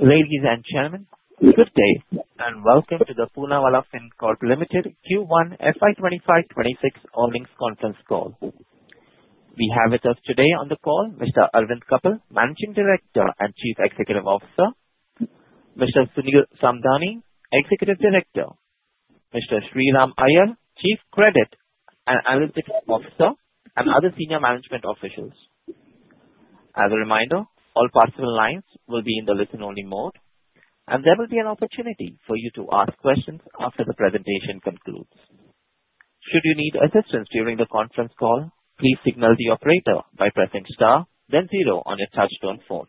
Ladies and gentlemen, good day and welcome to the Poonawalla Fincorp Limited Q1 FY 2025-2026 Earnings Conference Call. We have with us today on the call Mr. Arvind Kapil, Managing Director and Chief Executive Officer, Mr. Sunil Samdani, Executive Director, Mr. Shriram Iyer, Chief Credit and Analytics Officer, and other senior management officials. As a reminder, all possible lines will be in the listen-only mode, and there will be an opportunity for you to ask questions after the presentation concludes. Should you need assistance during the conference call, please signal the operator by pressing star, then zero on your touch-tone phone.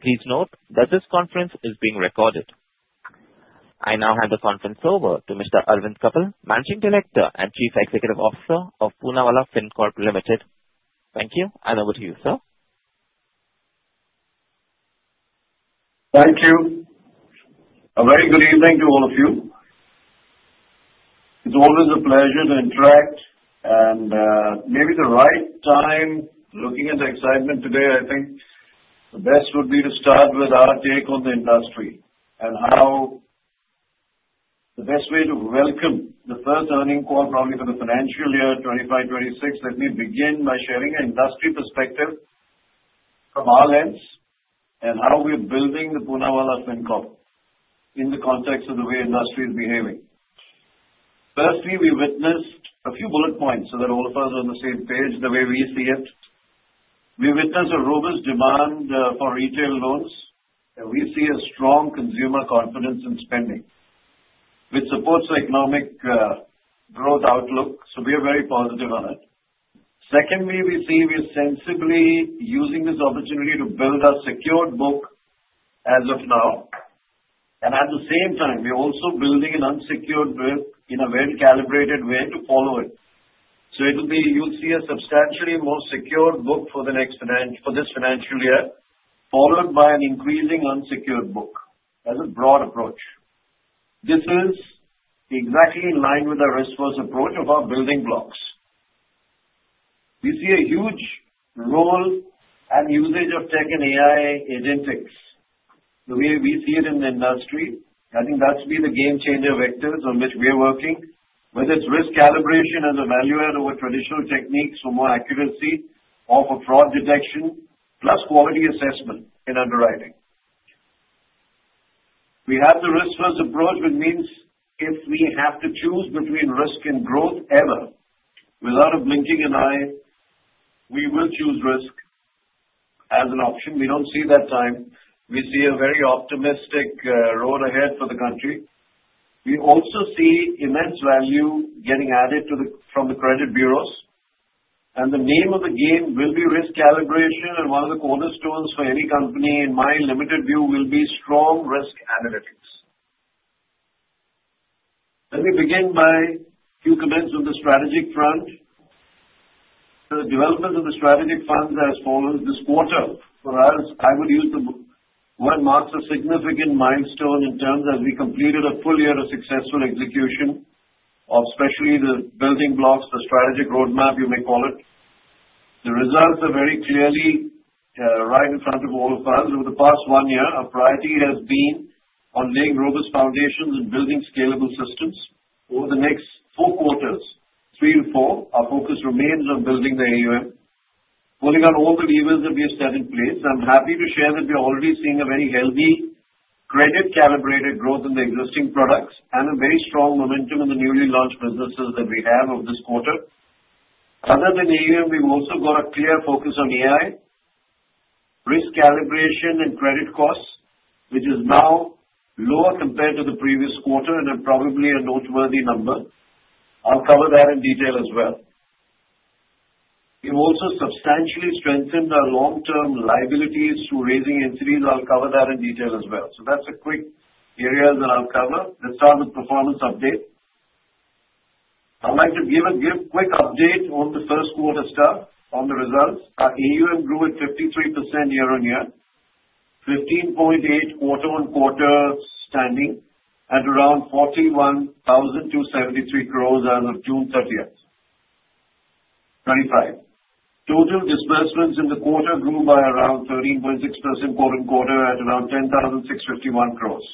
Please note that this conference is being recorded. I now hand the conference over to Mr. Arvind Kapil, Managing Director and Chief Executive Officer of Poonawalla Fincorp Limited. Thank you, and over to you, sir. Thank you. A very good evening to all of you. It's always a pleasure to interact, and maybe the right time looking at the excitement today, I think the best would be to start with our take on the industry and how the best way to welcome the first earnings call probably for the financial year 2025-2026. Let me begin by sharing an industry perspective from our lens and how we're building the Poonawalla Fincorp in the context of the way industry is behaving. Firstly, we witnessed a few bullet points so that all of us are on the same page the way we see it. We witnessed a robust demand for retail loans, and we see a strong consumer confidence in spending, which supports the economic growth outlook, so we are very positive on it. Secondly, we see we're sensibly using this opportunity to build our secured book as of now, and at the same time, we're also building an unsecured book in a well-calibrated way to follow it. So it'll be. You'll see a substantially more secure book for this financial year, followed by an increasing unsecured book as a broad approach. This is exactly in line with our risk-first approach of our building blocks. We see a huge role and usage of tech and agentic AI. The way we see it in the industry, I think that's been the game-changer vectors on which we're working, whether it's risk calibration as a value-add over traditional techniques for more accuracy or for fraud detection, plus quality assessment in underwriting. We have the risk-first approach, which means if we have to choose between risk and growth ever, without blinking an eye, we will choose risk as an option. We don't see that time. We see a very optimistic road ahead for the country. We also see immense value getting added from the credit bureaus, and the name of the game will be risk calibration, and one of the cornerstones for any company in my limited view will be strong risk analytics. Let me begin with a few comments on the strategic front. The development of the strategic front this quarter marks a significant milestone in terms of as we completed a full year of successful execution of especially the building blocks, the strategic roadmap, you may call it. The results are very clearly right in front of all of us. Over the past one year, our priority has been on laying robust foundations and building scalable systems. Over the next four quarters, three to four, our focus remains on building the AUM, pulling on all the levers that we have set in place. I'm happy to share that we're already seeing a very healthy credit-calibrated growth in the existing products and a very strong momentum in the newly launched businesses that we have over this quarter. Other than AUM, we've also got a clear focus on AI, risk calibration, and credit costs, which is now lower compared to the previous quarter and probably a noteworthy number. I'll cover that in detail as well. We've also substantially strengthened our long-term liabilities through raising equity. I'll cover that in detail as well. So that's a quick overview that I'll cover. Let's start with performance update. I'd like to give a quick update on the first quarter stuff on the results. Our AUM grew at 53% year-on-year, 15.8% quarter-on-quarter standing at around 41,273 crores as of June 30th, 2025. Total disbursements in the quarter grew by around 13.6% quarter-on-quarter at around 10,651 crores.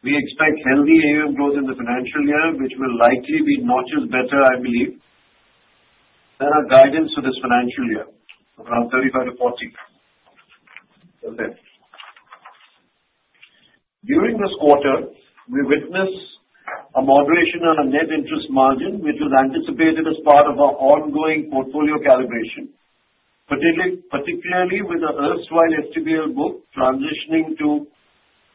We expect healthy AUM growth in the financial year, which will likely be not just better, I believe, than our guidance for this financial year, around 35%-40%. During this quarter, we witnessed a moderation in our net interest margin, which was anticipated as part of our ongoing portfolio calibration, particularly with the STPL book transitioning to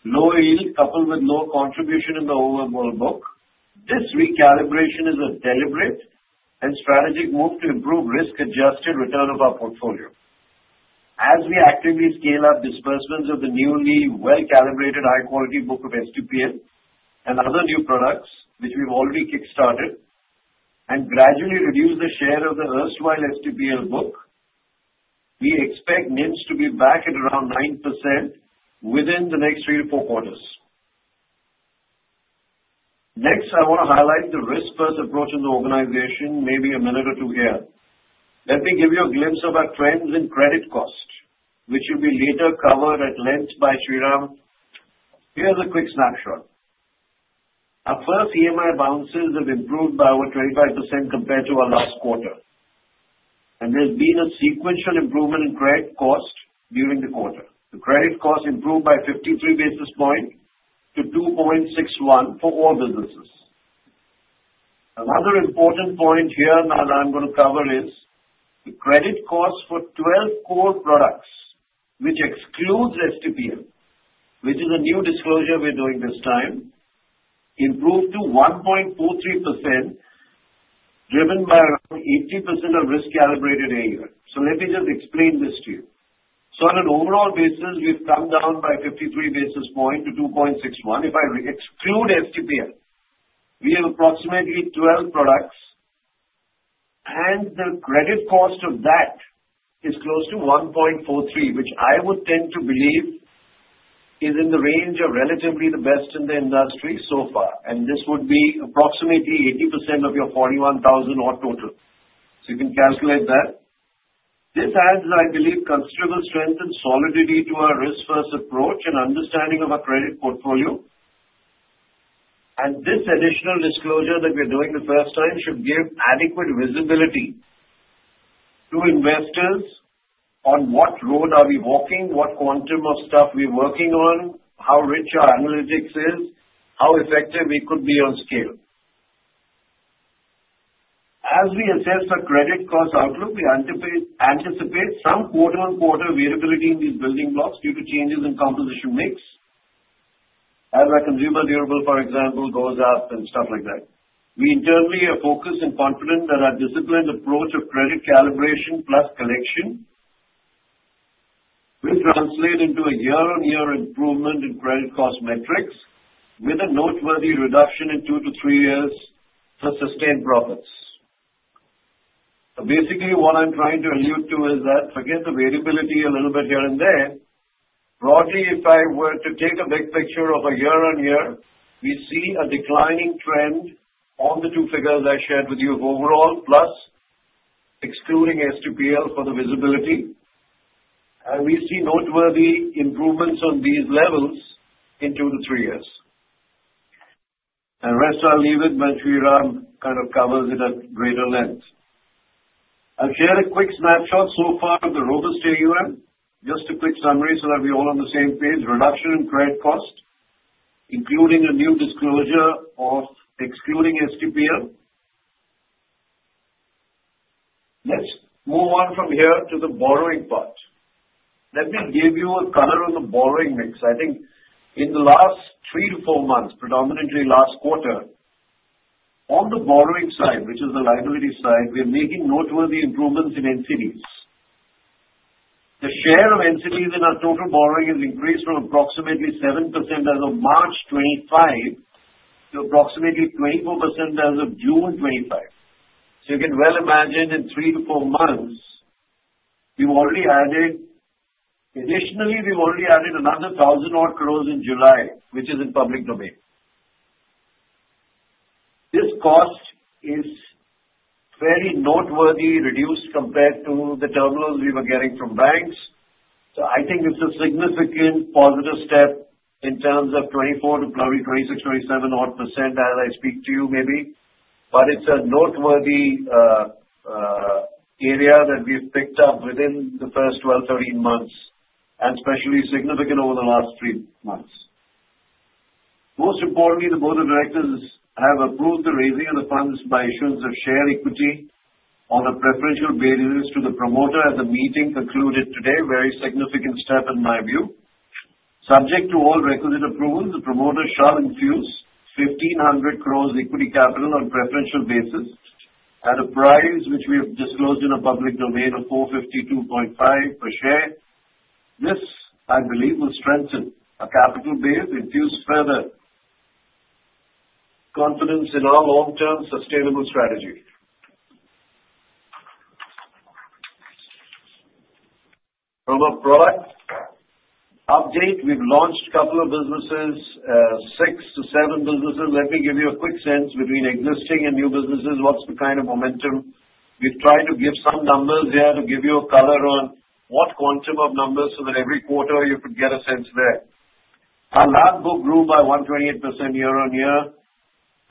low yield coupled with low contribution in the overall book. This recalibration is a deliberate and strategic move to improve risk-adjusted return of our portfolio. As we actively scale up disbursements of the newly well-calibrated high-quality book of STPL and other new products, which we've already kickstarted, and gradually reduce the share of the old STPL book, we expect NIM to be back at around 9% within the next three to four quarters. Next, I want to highlight the risk-first approach in the organization, maybe a minute or two here. Let me give you a glimpse of our trends in credit cost, which will be later covered at length by Shriram. Here's a quick snapshot. Our first EMI bounces have improved by over 25% compared to our last quarter, and there's been a sequential improvement in credit cost during the quarter. The credit cost improved by 53 basis points to 2.61 for all businesses. Another important point here that I'm going to cover is the credit cost for 12 core products, which excludes STPL, which is a new disclosure we're doing this time, improved to 1.43%, driven by around 80% of risk-calibrated AUM. So let me just explain this to you. On an overall basis, we've come down by 53 basis points to 2.61%. If I exclude STPL, we have approximately 12 products, and the credit cost of that is close to 1.43%, which I would tend to believe is in the range of relatively the best in the industry so far. This would be approximately 80% of your 41,000 or total. You can calculate that. This adds, I believe, considerable strength and solidity to our risk-first approach and understanding of our credit portfolio. This additional disclosure that we're doing the first time should give adequate visibility to investors on what road are we walking, what quantum of stuff we're working on, how rich our analytics is, how effective we could be on scale. As we assess our credit cost outlook, we anticipate some quarter-on-quarter variability in these building blocks due to changes in composition mix, as our consumer durable, for example, goes up and stuff like that. We internally are focused and confident that our disciplined approach of credit calibration plus collection will translate into a year-on-year improvement in credit cost metrics with a noteworthy reduction in two to three years for sustained profits. Basically, what I'm trying to allude to is that, forget the variability a little bit here and there. Broadly, if I were to take a big picture of a year-on-year, we see a declining trend on the two figures I shared with you overall, plus excluding STPL for the visibility, and we see noteworthy improvements on these levels in two to three years. The rest I'll leave it, but Shriram kind of covers it at greater length. I'll share a quick snapshot so far of the robust AUM. Just a quick summary so that we're all on the same page: reduction in credit cost, including a new disclosure of excluding STPL. Let's move on from here to the borrowing part. Let me give you a colour on the borrowing mix. I think in the last three to four months, predominantly last quarter, on the borrowing side, which is the liability side, we're making noteworthy improvements in NCDs. The share of NCDs in our total borrowing has increased from approximately 7% as of March 2025 to approximately 24% as of June 2025. So you can well imagine in three to four months, we've already added additionally another 1,000-odd crores in July, which is in public domain. This cost is fairly noteworthy reduced compared to the turbulence we were getting from banks. So I think it's a significant positive step in terms of 24% to probably 26%-27% odd as I speak to you maybe, but it's a noteworthy area that we've picked up within the first 12-13 months and especially significant over the last three months. Most importantly, the Board of Directors have approved the raising of the funds by issuance of share equity on a preferential basis to the promoter at the meeting concluded today. Very significant step in my view. Subject to all requisite approvals, the promoter shall infuse 1,500 crores equity capital on a preferential basis at a price which we have disclosed in a public domain of 452.5 per share. This, I believe, will strengthen our capital base, infuse further confidence in our long-term sustainable strategy. From a product update, we've launched a couple of businesses, six to seven businesses. Let me give you a quick sense between existing and new businesses, what's the kind of momentum. We've tried to give some numbers here to give you a colour on what quantum of numbers so that every quarter you could get a sense there. Our last book grew by 128% year-on-year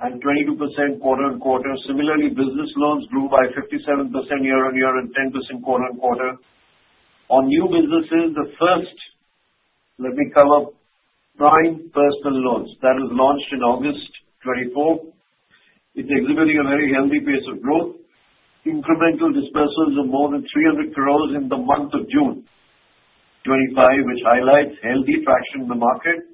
and 22% quarter-on-quarter. Similarly, business loans grew by 57% year-on-year and 10% quarter-on-quarter. On new businesses, the first, let me cover prime personal loans that was launched in August 2024. It's exhibiting a very healthy pace of growth. Incremental disbursements of more than 300 crores in the month of June 2025, which highlights healthy traction in the market.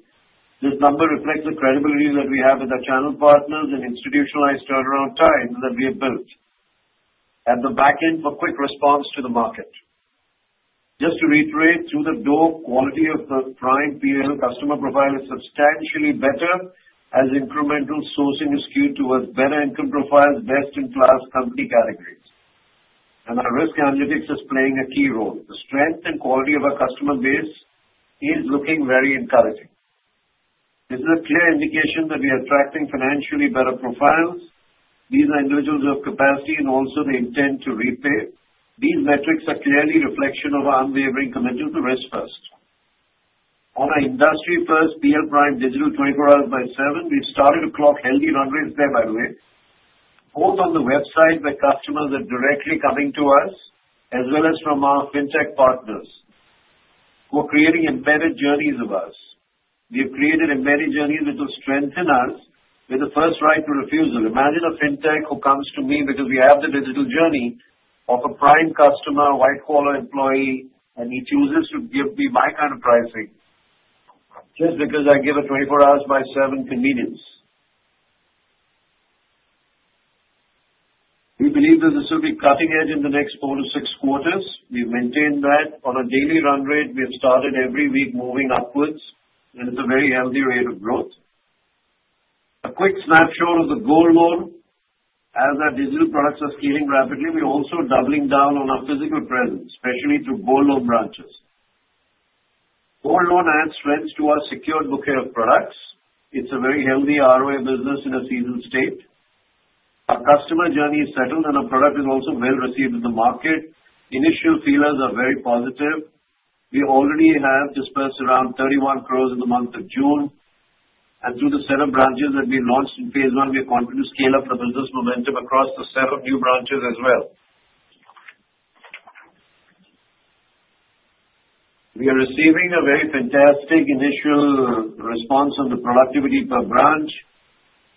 This number reflects the credibility that we have with our channel partners and institutionalized turnaround time that we have built at the back end for quick response to the market. Just to reiterate, through the door, quality of the prime PPL customer profile is substantially better as incremental sourcing is skewed towards better income profiles, best-in-class company categories. And our risk analytics is playing a key role. The strength and quality of our customer base is looking very encouraging. This is a clear indication that we are attracting financially better profiles. These are individuals who have capacity and also the intent to repay. These metrics are clearly a reflection of our unwavering commitment to risk-first. Our industry-first PL Prime Digital 24x7, we've started to clock healthy run rates there, by the way. Both on the website where customers are directly coming to us, as well as from our fintech partners who are creating embedded journeys of ours. We have created embedded journeys which will strengthen us with the first right to refusal. Imagine a fintech who comes to me because we have the digital journey of a prime customer, white-collar employee, and he chooses to give me my kind of pricing just because I give a 24x7 convenience. We believe that this will be cutting-edge in the next four to six quarters. We've maintained that on a daily run rate. We have started every week moving upwards, and it's a very healthy rate of growth. A quick snapshot of the Gold Loan. As our digital products are scaling rapidly, we're also doubling down on our physical presence, especially through Gold Loan branches. Gold Loan adds strength to our secured bouquet of products. It's a very healthy ROA business in a seasoned state. Our customer journey is settled, and our product is also well-received in the market. Initial feelers are very positive. We already have disbursed around 31 crores in the month of June, and through the set of branches that we launched in phase one, we are continuing to scale up the business momentum across the set of new branches as well. We are receiving a very fantastic initial response on the productivity per branch.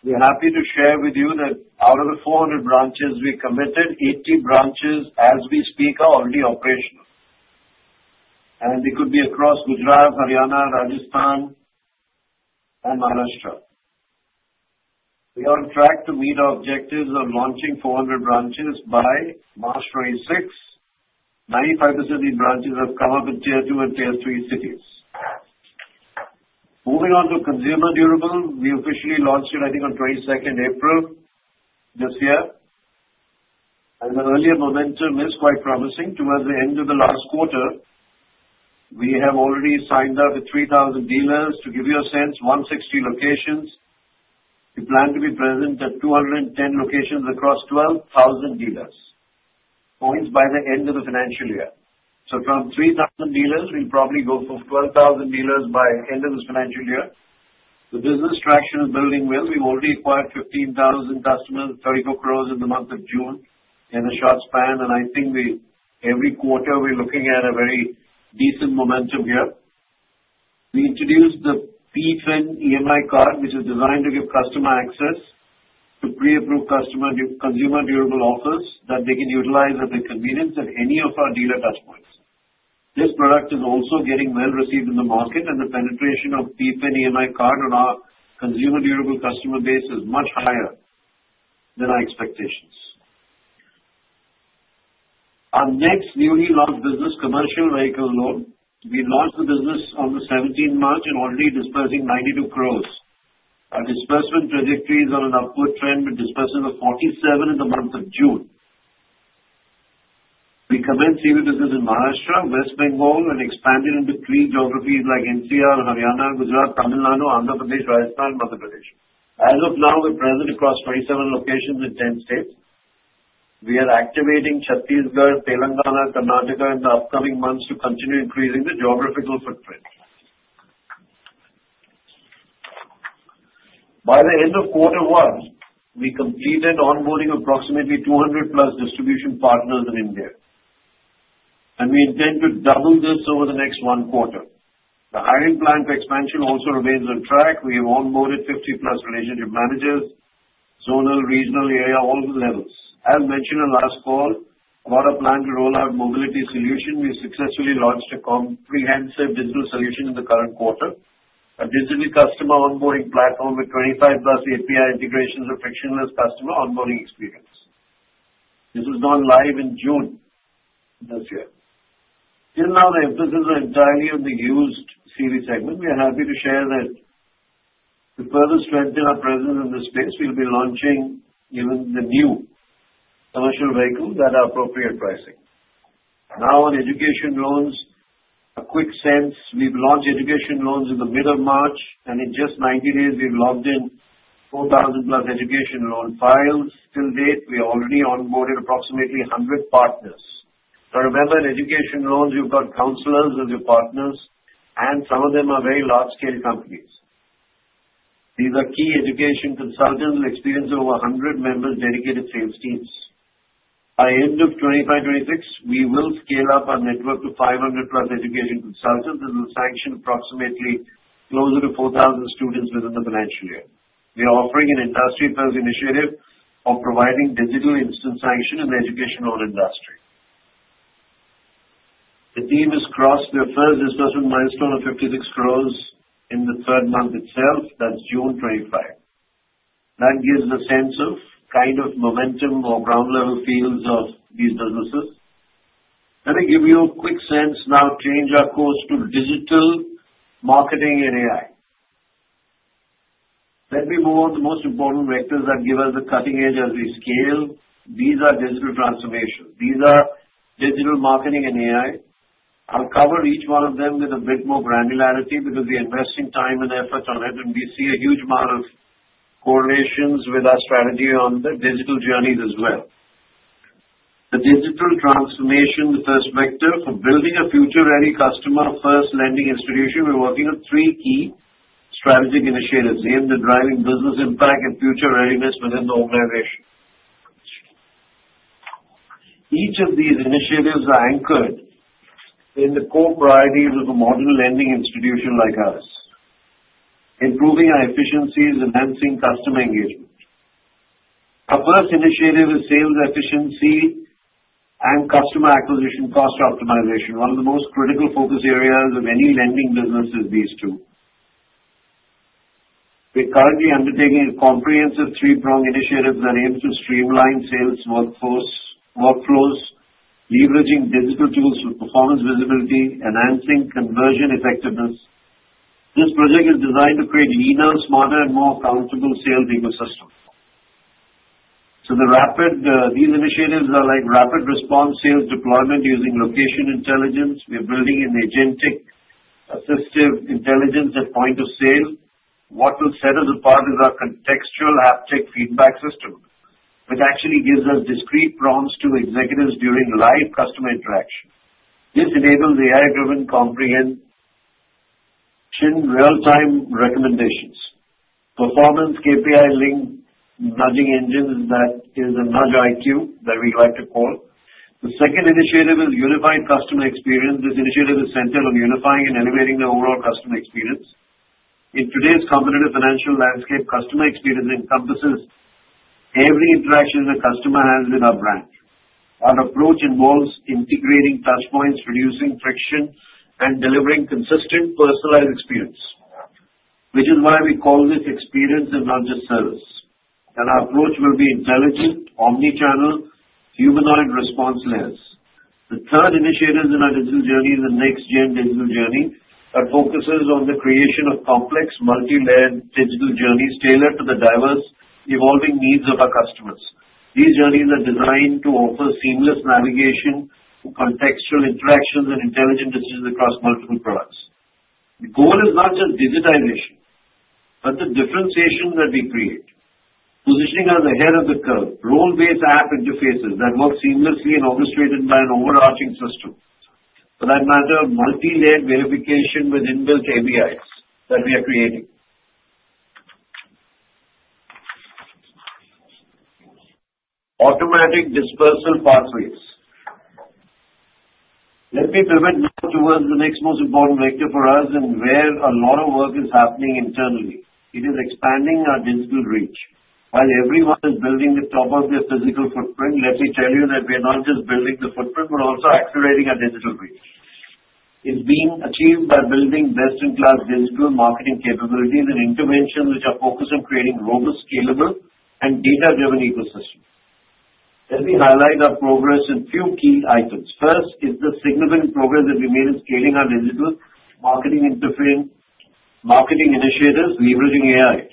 We're happy to share with you that out of the 400 branches we committed, 80 branches as we speak are already operational, and they could be across Gujarat, Haryana, Rajasthan, and Maharashtra. We are on track to meet our objectives of launching 400 branches by March 2026. 95% of these branches have come up in tier two and tier three cities. Moving on to consumer durable, we officially launched it, I think, on 22nd April this year. The earlier momentum is quite promising. Towards the end of the last quarter, we have already signed up with 3,000 dealers. To give you a sense, 160 locations. We plan to be present at 210 locations across 12,000 dealer points by the end of the financial year. So from 3,000 dealers, we'll probably go to 12,000 dealers by the end of this financial year. The business traction is building well. We've already acquired 15,000 customers, 34 crores in the month of June in a short span. I think every quarter we're looking at a very decent momentum here. We introduced the PFIN EMI card, which is designed to give customer access to pre-approved consumer durable offers that they can utilize at the convenience of any of our dealer touchpoints. This product is also getting well-received in the market, and the penetration of PFIN EMI card on our consumer durable customer base is much higher than our expectations. Our next newly launched business, commercial vehicle loan. We launched the business on the 17th of March and are already disbursing 92 crores. Our disbursement trajectory is on an upward trend with disbursements of 47 crores in the month of June. We commenced CV business in Maharashtra, West Bengal, and expanded into three geographies like NCR, Haryana, Gujarat, Tamil Nadu, Andhra Pradesh, Rajasthan, and Madhya Pradesh. As of now, we're present across 27 locations in 10 states. We are activating Chhattisgarh, Telangana, Karnataka in the upcoming months to continue increasing the geographical footprint. By the end of quarter one, we completed onboarding approximately 200+ distribution partners in India. We intend to double this over the next one quarter. The hiring plan for expansion also remains on track. We have onboarded 50+ relationship managers, zonal, regional, area, all the levels. As mentioned in last call about our plan to roll out mobility solution, we've successfully launched a comprehensive digital solution in the current quarter, a digital customer onboarding platform with 25+ API integrations for frictionless customer onboarding experience. This went live in June this year. Even now, the emphasis is entirely on the used CV segment. We are happy to share that to further strengthen our presence in this space, we'll be launching even the new commercial vehicle at our appropriate pricing. Now, on education loans, a quick sense, we've launched education loans in the middle of March, and in just 90 days, we've logged in 4,000-plus education loan files. Till date, we have already onboarded approximately 100 partners. Now, remember, in education loans, you've got counselors as your partners, and some of them are very large-scale companies. These are key education consultants who employ over 100 members' dedicated sales teams. By the end of FY 2025-2026, we will scale up our network to 500+ education consultants and will sanction approximately closer to 4,000 students within the financial year. We are offering an industry-first initiative of providing digital instant sanction in the education loan industry. The team has crossed. We have first disbursed a milestone of 56 crores in the third month itself. That's June 2025. That gives a sense of kind of momentum or ground-level feels of these businesses. Let me give you a quick sense now. Change our course to digital marketing and AI. Let me move on to the most important vectors that give us the cutting edge as we scale. These are digital transformations. These are digital marketing and AI. I'll cover each one of them with a bit more granularity because we are investing time and effort on it, and we see a huge amount of correlations with our strategy on the digital journeys as well. The digital transformation perspective for building a future-ready customer-first lending institution, we're working on three key strategic initiatives aimed at driving business impact and future readiness within the organization. Each of these initiatives are anchored in the core priorities of a modern lending institution like ours, improving our efficiencies and enhancing customer engagement. Our first initiative is sales efficiency and customer acquisition cost optimization. One of the most critical focus areas of any lending business is these two. We're currently undertaking a comprehensive three-pronged initiative that aims to streamline sales workflows, leveraging digital tools for performance visibility, enhancing conversion effectiveness. This project is designed to create a leaner, smarter, and more accountable sales ecosystem. So these initiatives are like rapid response sales deployment using location intelligence. We are building an agentic assistive intelligence at point of sale. What will set us apart is our contextual haptic feedback system, which actually gives us discrete prompts to executives during live customer interaction. This enables AI-driven comprehension real-time recommendations. Performance KPI link nudging engines that is a Nudge IQ that we like to call. The second initiative is unified customer experience. This initiative is centered on unifying and elevating the overall customer experience. In today's competitive financial landscape, customer experience encompasses every interaction a customer has with our brand. Our approach involves integrating touchpoints, reducing friction, and delivering consistent personalized experience, which is why we call this experience and not just service, and our approach will be intelligent, omnichannel, humanoid response layers. The third initiative in our digital journey is a next-gen digital journey that focuses on the creation of complex, multi-layered digital journeys tailored to the diverse, evolving needs of our customers. These journeys are designed to offer seamless navigation, contextual interactions, and intelligent decisions across multiple products. The goal is not just digitization, but the differentiation that we create, positioning us ahead of the curve, role-based app interfaces that work seamlessly and orchestrated by an overarching system. For that matter, multi-layered verification with inbuilt APIs that we are creating. Automatic disbursal pathways. Let me pivot now towards the next most important vector for us and where a lot of work is happening internally. It is expanding our digital reach. While everyone is building the top of their physical footprint, let me tell you that we are not just building the footprint, but also accelerating our digital reach. It's being achieved by building best-in-class digital marketing capabilities and interventions which are focused on creating robust, scalable, and data-driven ecosystems. Let me highlight our progress in a few key items. First is the significant progress that we made in scaling our digital marketing interface. Marketing initiatives leveraging AI,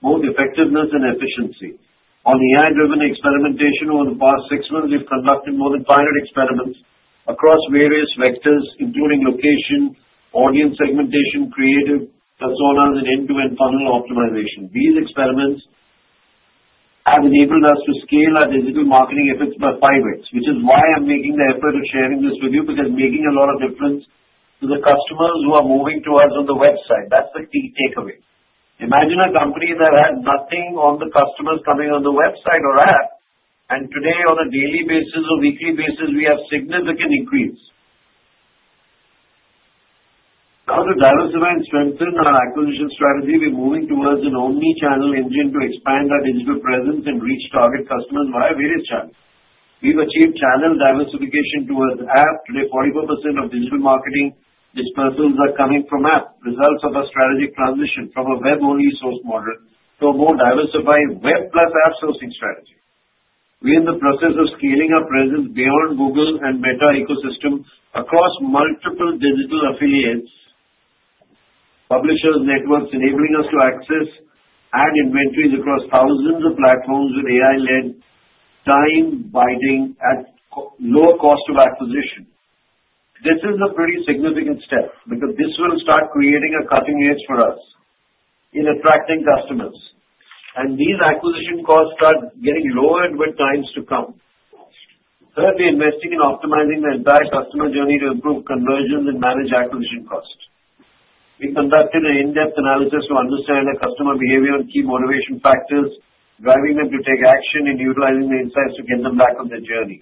both effectiveness and efficiency. On AI-driven experimentation, over the past six months, we've conducted more than 500 experiments across various vectors, including location, audience segmentation, creative personas, and end-to-end funnel optimization. These experiments have enabled us to scale our digital marketing efforts by 5x, which is why I'm making the effort of sharing this with you because it's making a lot of difference to the customers who are moving to us on the website. That's the key takeaway. Imagine a company that had nothing on the customers coming on the website or app, and today, on a daily basis or weekly basis, we have significant increase. Now, to diversify and strengthen our acquisition strategy, we're moving towards an omnichannel engine to expand our digital presence and reach target customers via various channels. We've achieved channel diversification towards app. Today, 44% of digital marketing disbursals are coming from app. Results of our strategic transition from a web-only source model to a more diversified web-plus app sourcing strategy. We're in the process of scaling our presence beyond Google and Meta ecosystem across multiple digital affiliates, publishers, networks, enabling us to access ad inventories across thousands of platforms with AI-led, time bidding at low cost of acquisition. This is a pretty significant step because this will start creating a cutting edge for us in attracting customers, and these acquisition costs start getting lowered with times to come. Thirdly, investing in optimizing the entire customer journey to improve conversions and manage acquisition costs. We conducted an in-depth analysis to understand our customer behavior and key motivation factors driving them to take action and utilizing the insights to get them back on the journey.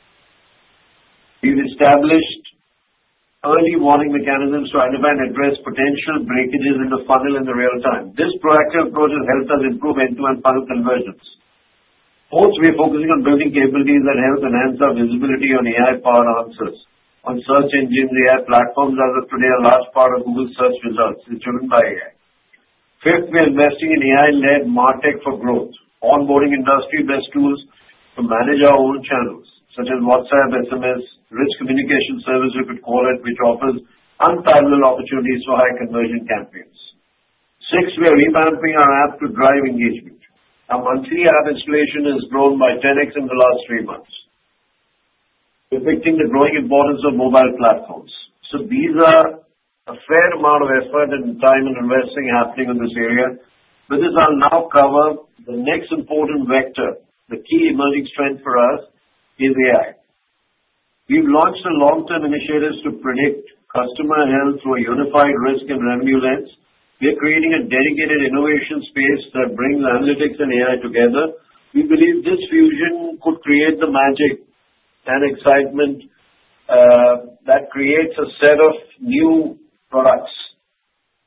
We've established early warning mechanisms to identify and address potential breakages in the funnel in real time. This proactive approach has helped us improve end-to-end funnel conversions. Fourth, we are focusing on building capabilities that help enhance our visibility on AI-powered answers. On search engines, AI platforms as of today are a large part of Google search results. It's driven by AI. Fifth, we are investing in AI-led martech for growth, onboarding industry-based tools to manage our own channels, such as WhatsApp, SMS, Rich Communication Services, we could call it, which offers unlimited opportunities for high-conversion campaigns. Sixth, we are revamping our app to drive engagement. Our monthly app installation has grown by 10x in the last three months, depicting the growing importance of mobile platforms. So these are a fair amount of effort and time and investing happening in this area. But this will now cover the next important vector. The key emerging strength for us is AI. We've launched a long-term initiative to predict customer health through a unified risk and revenue lens. We are creating a dedicated innovation space that brings analytics and AI together. We believe this fusion could create the magic and excitement that creates a set of new products,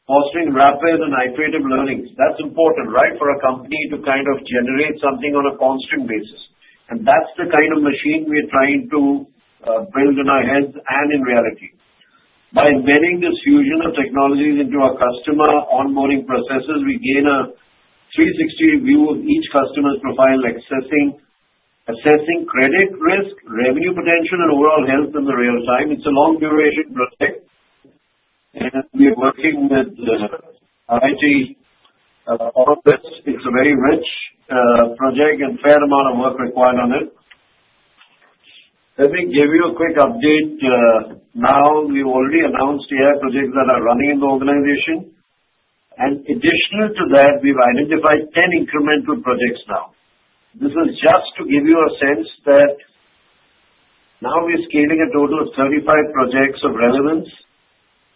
fostering rapid and iterative learnings. That's important, right, for a company to kind of generate something on a constant basis. And that's the kind of machine we are trying to build in our heads and in reality. By embedding this fusion of technologies into our customer onboarding processes, we gain a 360 view of each customer's profile, assessing credit risk, revenue potential, and overall health in the real time. It's a long-duration project, and we are working with IT on this. It's a very rich project and a fair amount of work required on it. Let me give you a quick update. Now, we've already announced AI projects that are running in the organization. Additionally to that, we've identified 10 incremental projects now. This is just to give you a sense that now we're scaling a total of 35 projects of relevance,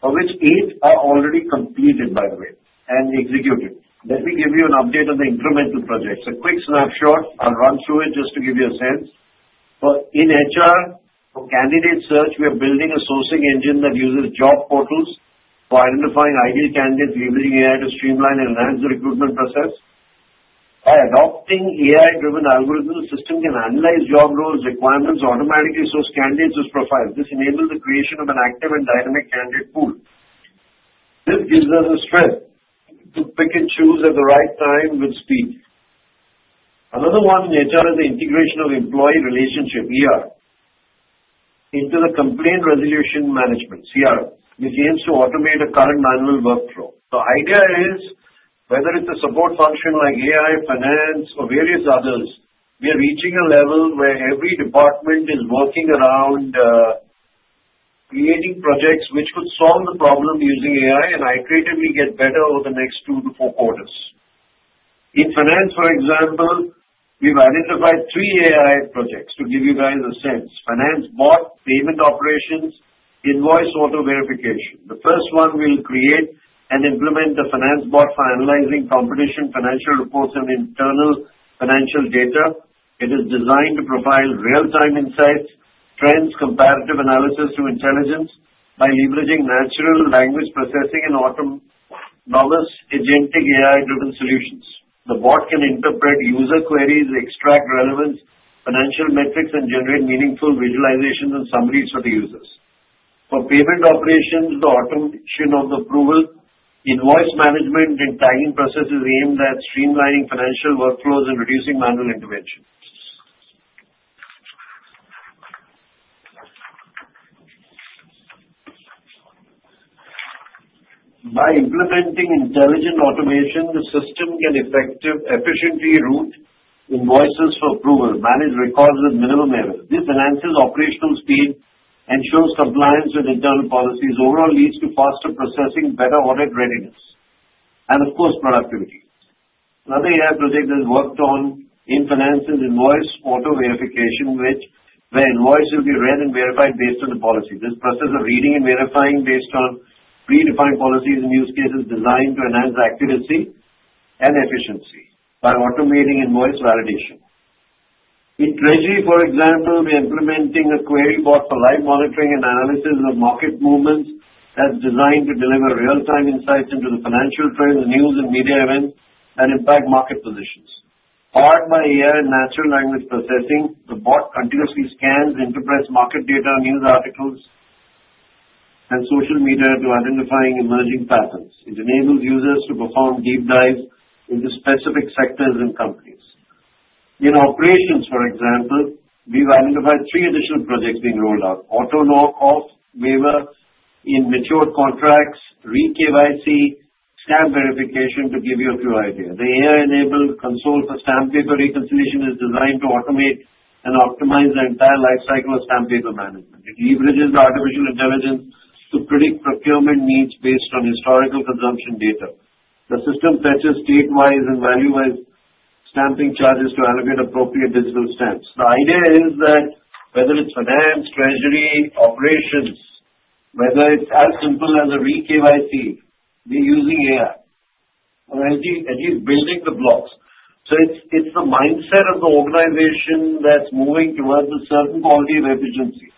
of which eight are already completed, by the way, and executed. Let me give you an update on the incremental projects. A quick snapshot. I'll run through it just to give you a sense. In HR, for candidate search, we are building a sourcing engine that uses job portals for identifying ideal candidates, leveraging AI to streamline and enhance the recruitment process. By adopting AI-driven algorithms, the system can analyze job roles, requirements, and automatically source candidates as profiles. This enables the creation of an active and dynamic candidate pool. This gives us a strength to pick and choose at the right time with speed. Another one in HR is the integration of employee relationship into the complaint resolution management CRM, which aims to automate a current manual workflow. The idea is, whether it's a support function like AI, finance, or various others, we are reaching a level where every department is working around creating projects which could solve the problem using AI and iteratively get better over the next two to four quarters. In finance, for example, we've identified three AI projects to give you guys a sense: Finance bot, Payment operations, Invoice auto verification. The first one will create and implement the finance bot for analyzing competition financial reports and internal financial data. It is designed to profile real-time insights, trends, comparative analysis to intelligence by leveraging natural language processing and autonomous agentic AI-driven solutions. The bot can interpret user queries, extract relevant financial metrics, and generate meaningful visualizations and summaries for the users. For payment operations, the automation of the approval, invoice management, and tagging processes aimed at streamlining financial workflows and reducing manual intervention. By implementing intelligent automation, the system can efficiently route invoices for approval, manage records with minimum errors. This enhances operational speed and ensures compliance with internal policies. Overall, it leads to faster processing, better audit readiness, and of course, productivity. Another AI project that is worked on in finance is invoice auto verification, where invoices will be read and verified based on the policy. This process of reading and verifying based on predefined policies and use cases is designed to enhance accuracy and efficiency by automating invoice validation. In treasury, for example, we are implementing a query bot for live monitoring and analysis of market movements that's designed to deliver real-time insights into the financial trends, news, and media events that impact market positions. Powered by AI and natural language processing, the bot continuously scans, interprets market data, news articles, and social media to identify emerging patterns. It enables users to perform deep dives into specific sectors and companies. In operations, for example, we've identified three additional projects being rolled out: auto knock-off waiver in mature contracts, re-KYC, and stamp verification, to give you a few ideas. The AI-enabled console for stamp paper reconciliation is designed to automate and optimize the entire lifecycle of stamp paper management. It leverages artificial intelligence to predict procurement needs based on historical consumption data. The system fetches state-wise and value-wise stamping charges to allocate appropriate digital stamps. The idea is that whether it's finance, treasury, operations, whether it's as simple as a re-KYC, we're using AI, and it's building the blocks. So it's the mindset of the organization that's moving towards a certain quality of efficiency.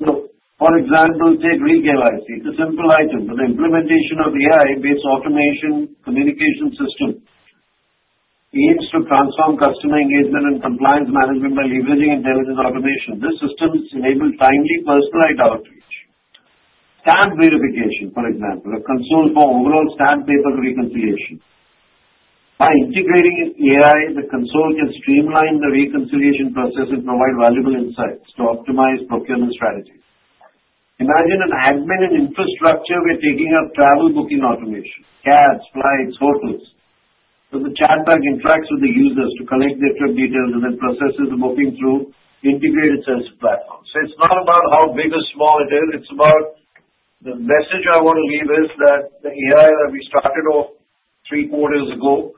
So, for example, take re-KYC. It's a simple item, but the implementation of AI-based automation communication system aims to transform customer engagement and compliance management by leveraging intelligent automation. This system enables timely, personalized outreach. Stamp verification, for example, a console for overall stamp paper reconciliation. By integrating AI, the console can streamline the reconciliation process and provide valuable insights to optimize procurement strategies. Imagine an admin and infrastructure where taking out travel booking automation, cabs, flights, hotels. So the chatbot interacts with the users to collect their trip details and then processes the booking through integrated sales platforms. So it's not about how big or small it is. It's about. The message I want to leave is that the AI that we started off three quarters ago,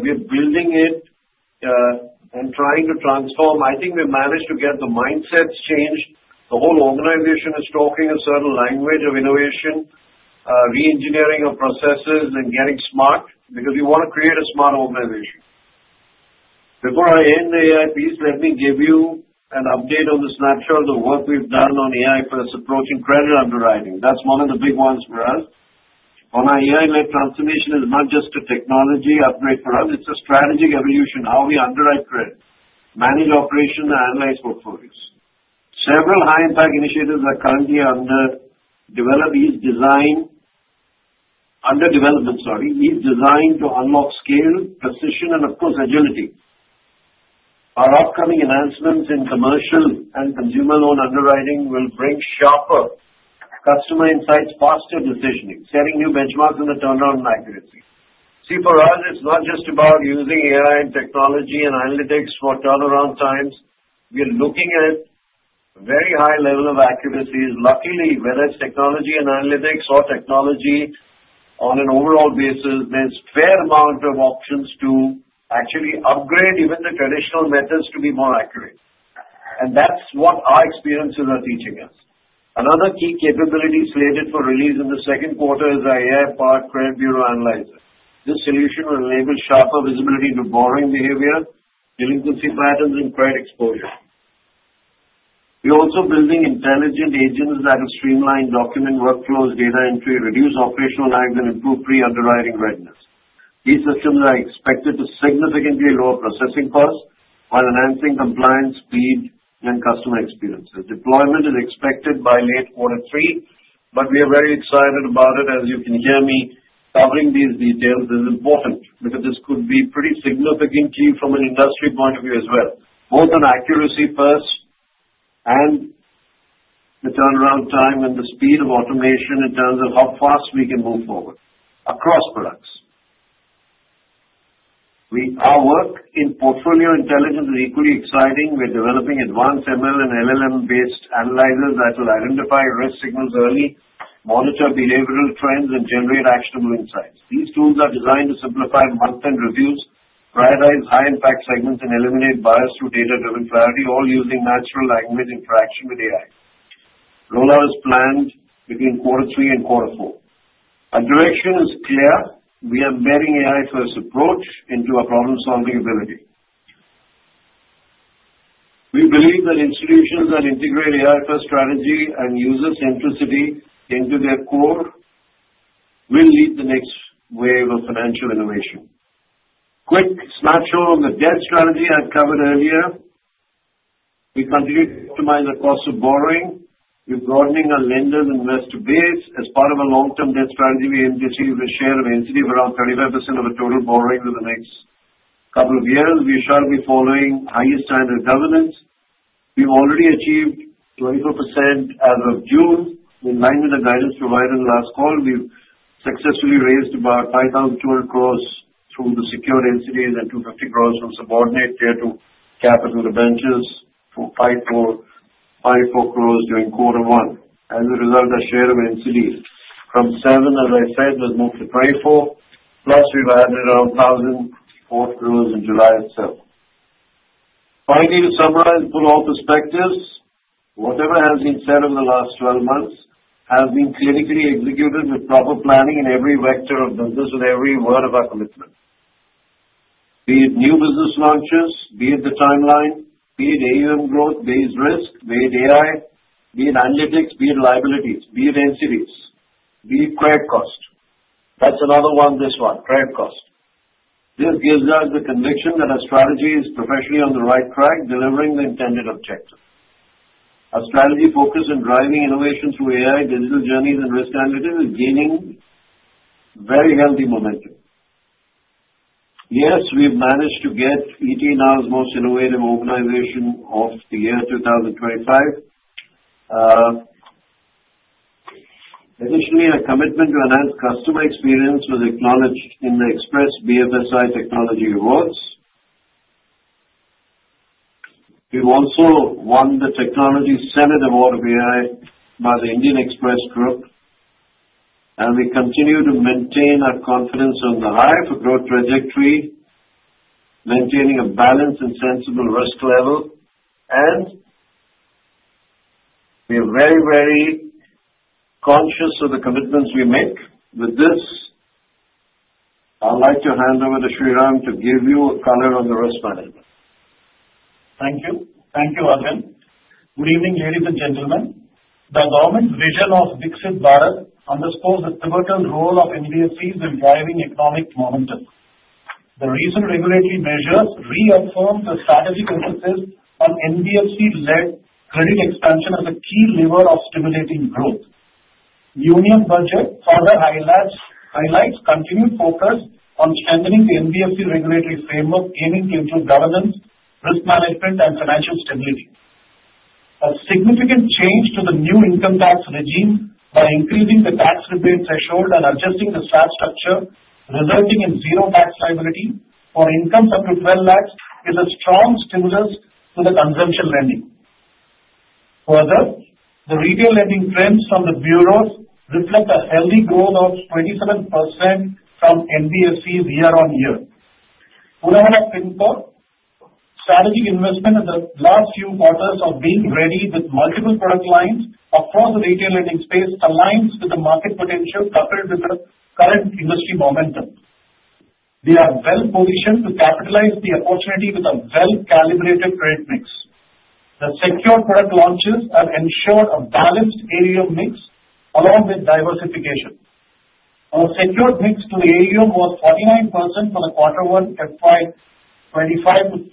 we're building it and trying to transform. I think we've managed to get the mindsets changed. The whole organization is talking a certain language of innovation, re-engineering of processes, and getting smart because we want to create a smart organization. Before I end the AI piece, let me give you an update on the snapshot of the work we've done on AI for us approaching credit underwriting. That's one of the big ones for us. On our AI-led transformation is not just a technology upgrade for us. It's a strategic evolution, how we underwrite credit, manage operations, and analyze portfolios. Several high-impact initiatives are currently under development. These design to unlock scale, precision, and of course, agility. Our upcoming announcements in commercial and consumer-owned underwriting will bring sharper customer insights, faster decisioning, setting new benchmarks on the turnaround accuracy. See, for us, it's not just about using AI and technology and analytics for turnaround times. We're looking at a very high level of accuracy. Luckily, whether it's technology and analytics or technology on an overall basis, there's a fair amount of options to actually upgrade even the traditional methods to be more accurate. And that's what our experiences are teaching us. Another key capability slated for release in the second quarter is our AI-powered credit bureau analyzer. This solution will enable sharper visibility into borrowing behavior, delinquency patterns, and credit exposure. We're also building intelligent agents that will streamline document workflows, data entry, reduce operational lag, and improve pre-underwriting readiness. These systems are expected to significantly lower processing costs while enhancing compliance, speed, and customer experiences. Deployment is expected by late quarter three, but we are very excited about it. As you can hear me covering these details, it's important because this could be pretty significant key from an industry point of view as well. Both on accuracy first and the turnaround time and the speed of automation in terms of how fast we can move forward across products. Our work in portfolio intelligence is equally exciting. We're developing advanced ML and LLM-based analyzers that will identify risk signals early, monitor behavioral trends, and generate actionable insights. These tools are designed to simplify month-end reviews, prioritize high-impact segments, and eliminate bias through data-driven clarity, all using natural language interaction with AI. Roll-out is planned between quarter three and quarter four. Our direction is clear. We are embedding AI-first approach into our problem-solving ability. We believe that institutions that integrate AI-first strategy and use this simplicity into their core will lead the next wave of financial innovation. Quick snapshot on the debt strategy I covered earlier. We continue to optimize the cost of borrowing. We're broadening our lenders and investor base. As part of a long-term debt strategy, we aim to achieve a share of NCDs of around 35% of the total borrowing for the next couple of years. We shall be following highest standard governance. We've already achieved 24% as of June. In line with the guidance provided in the last call, we've successfully raised about 5,200 crores through the secured NCDs and 250 crores from subordinated Tier 2 capital and ECBs of 54 crores during quarter one. As a result, our share of NCDs from 7%, as I said, was moved to 24%. Plus, we've added around 1,000 crores in July itself. Finally, to summarize from all perspectives, whatever has been said over the last 12 months has been clinically executed with proper planning in every vector of business and every word of our commitment. Be it new business launches, be it the timeline, be it AUM growth, be it risk, be it AI, be it analytics, be it liabilities, be it NCDs, be it credit cost. That's another one, this one, credit cost. This gives us the conviction that our strategy is professionally on the right track, delivering the intended objective. Our strategy focused on driving innovation through AI, digital journeys, and risk analytics is gaining very healthy momentum. Yes, we've managed to get ET Now's most innovative organization of the year 2025. Additionally, our commitment to enhance customer experience was acknowledged in the Express BFSI Technology Awards. We've also won the Technology Senate Award of AI by the Indian Express Group, and we continue to maintain our confidence on the high for growth trajectory, maintaining a balanced and sensible risk level. We're very, very conscious of the commitments we make. With this, I'd like to hand over to Shriram to give you a colour on the risk management. Thank you. Thank you, Arvind. Good evening, ladies and gentlemen. The government vision of Viksit Bharat underscores the pivotal role of NBFCs in driving economic momentum. The recent regulatory measures reaffirm the strategic emphasis on NBFC-led credit expansion as a key lever of stimulating growth. Union Budget further highlights continued focus on strengthening the NBFC regulatory framework, aiming to improve governance, risk management, and financial stability. A significant change to the new income tax regime by increasing the tax rebate threshold and adjusting the slab structure, resulting in zero tax liability for incomes up to 12 lakhs, is a strong stimulus to the consumption lending. Further, the retail lending trends from the bureau reflect a healthy growth of 27% from NBFCs year on year. Poonawalla Fincorp's strategic investment in the last few quarters of being ready with multiple product lines across the retail lending space aligns with the market potential coupled with the current industry momentum. We are well positioned to capitalize the opportunity with a well-calibrated credit mix. The secured product launches have ensured a balanced AUM mix along with diversification. Our secured mix to the AUM was 49% for the quarter one FY 2025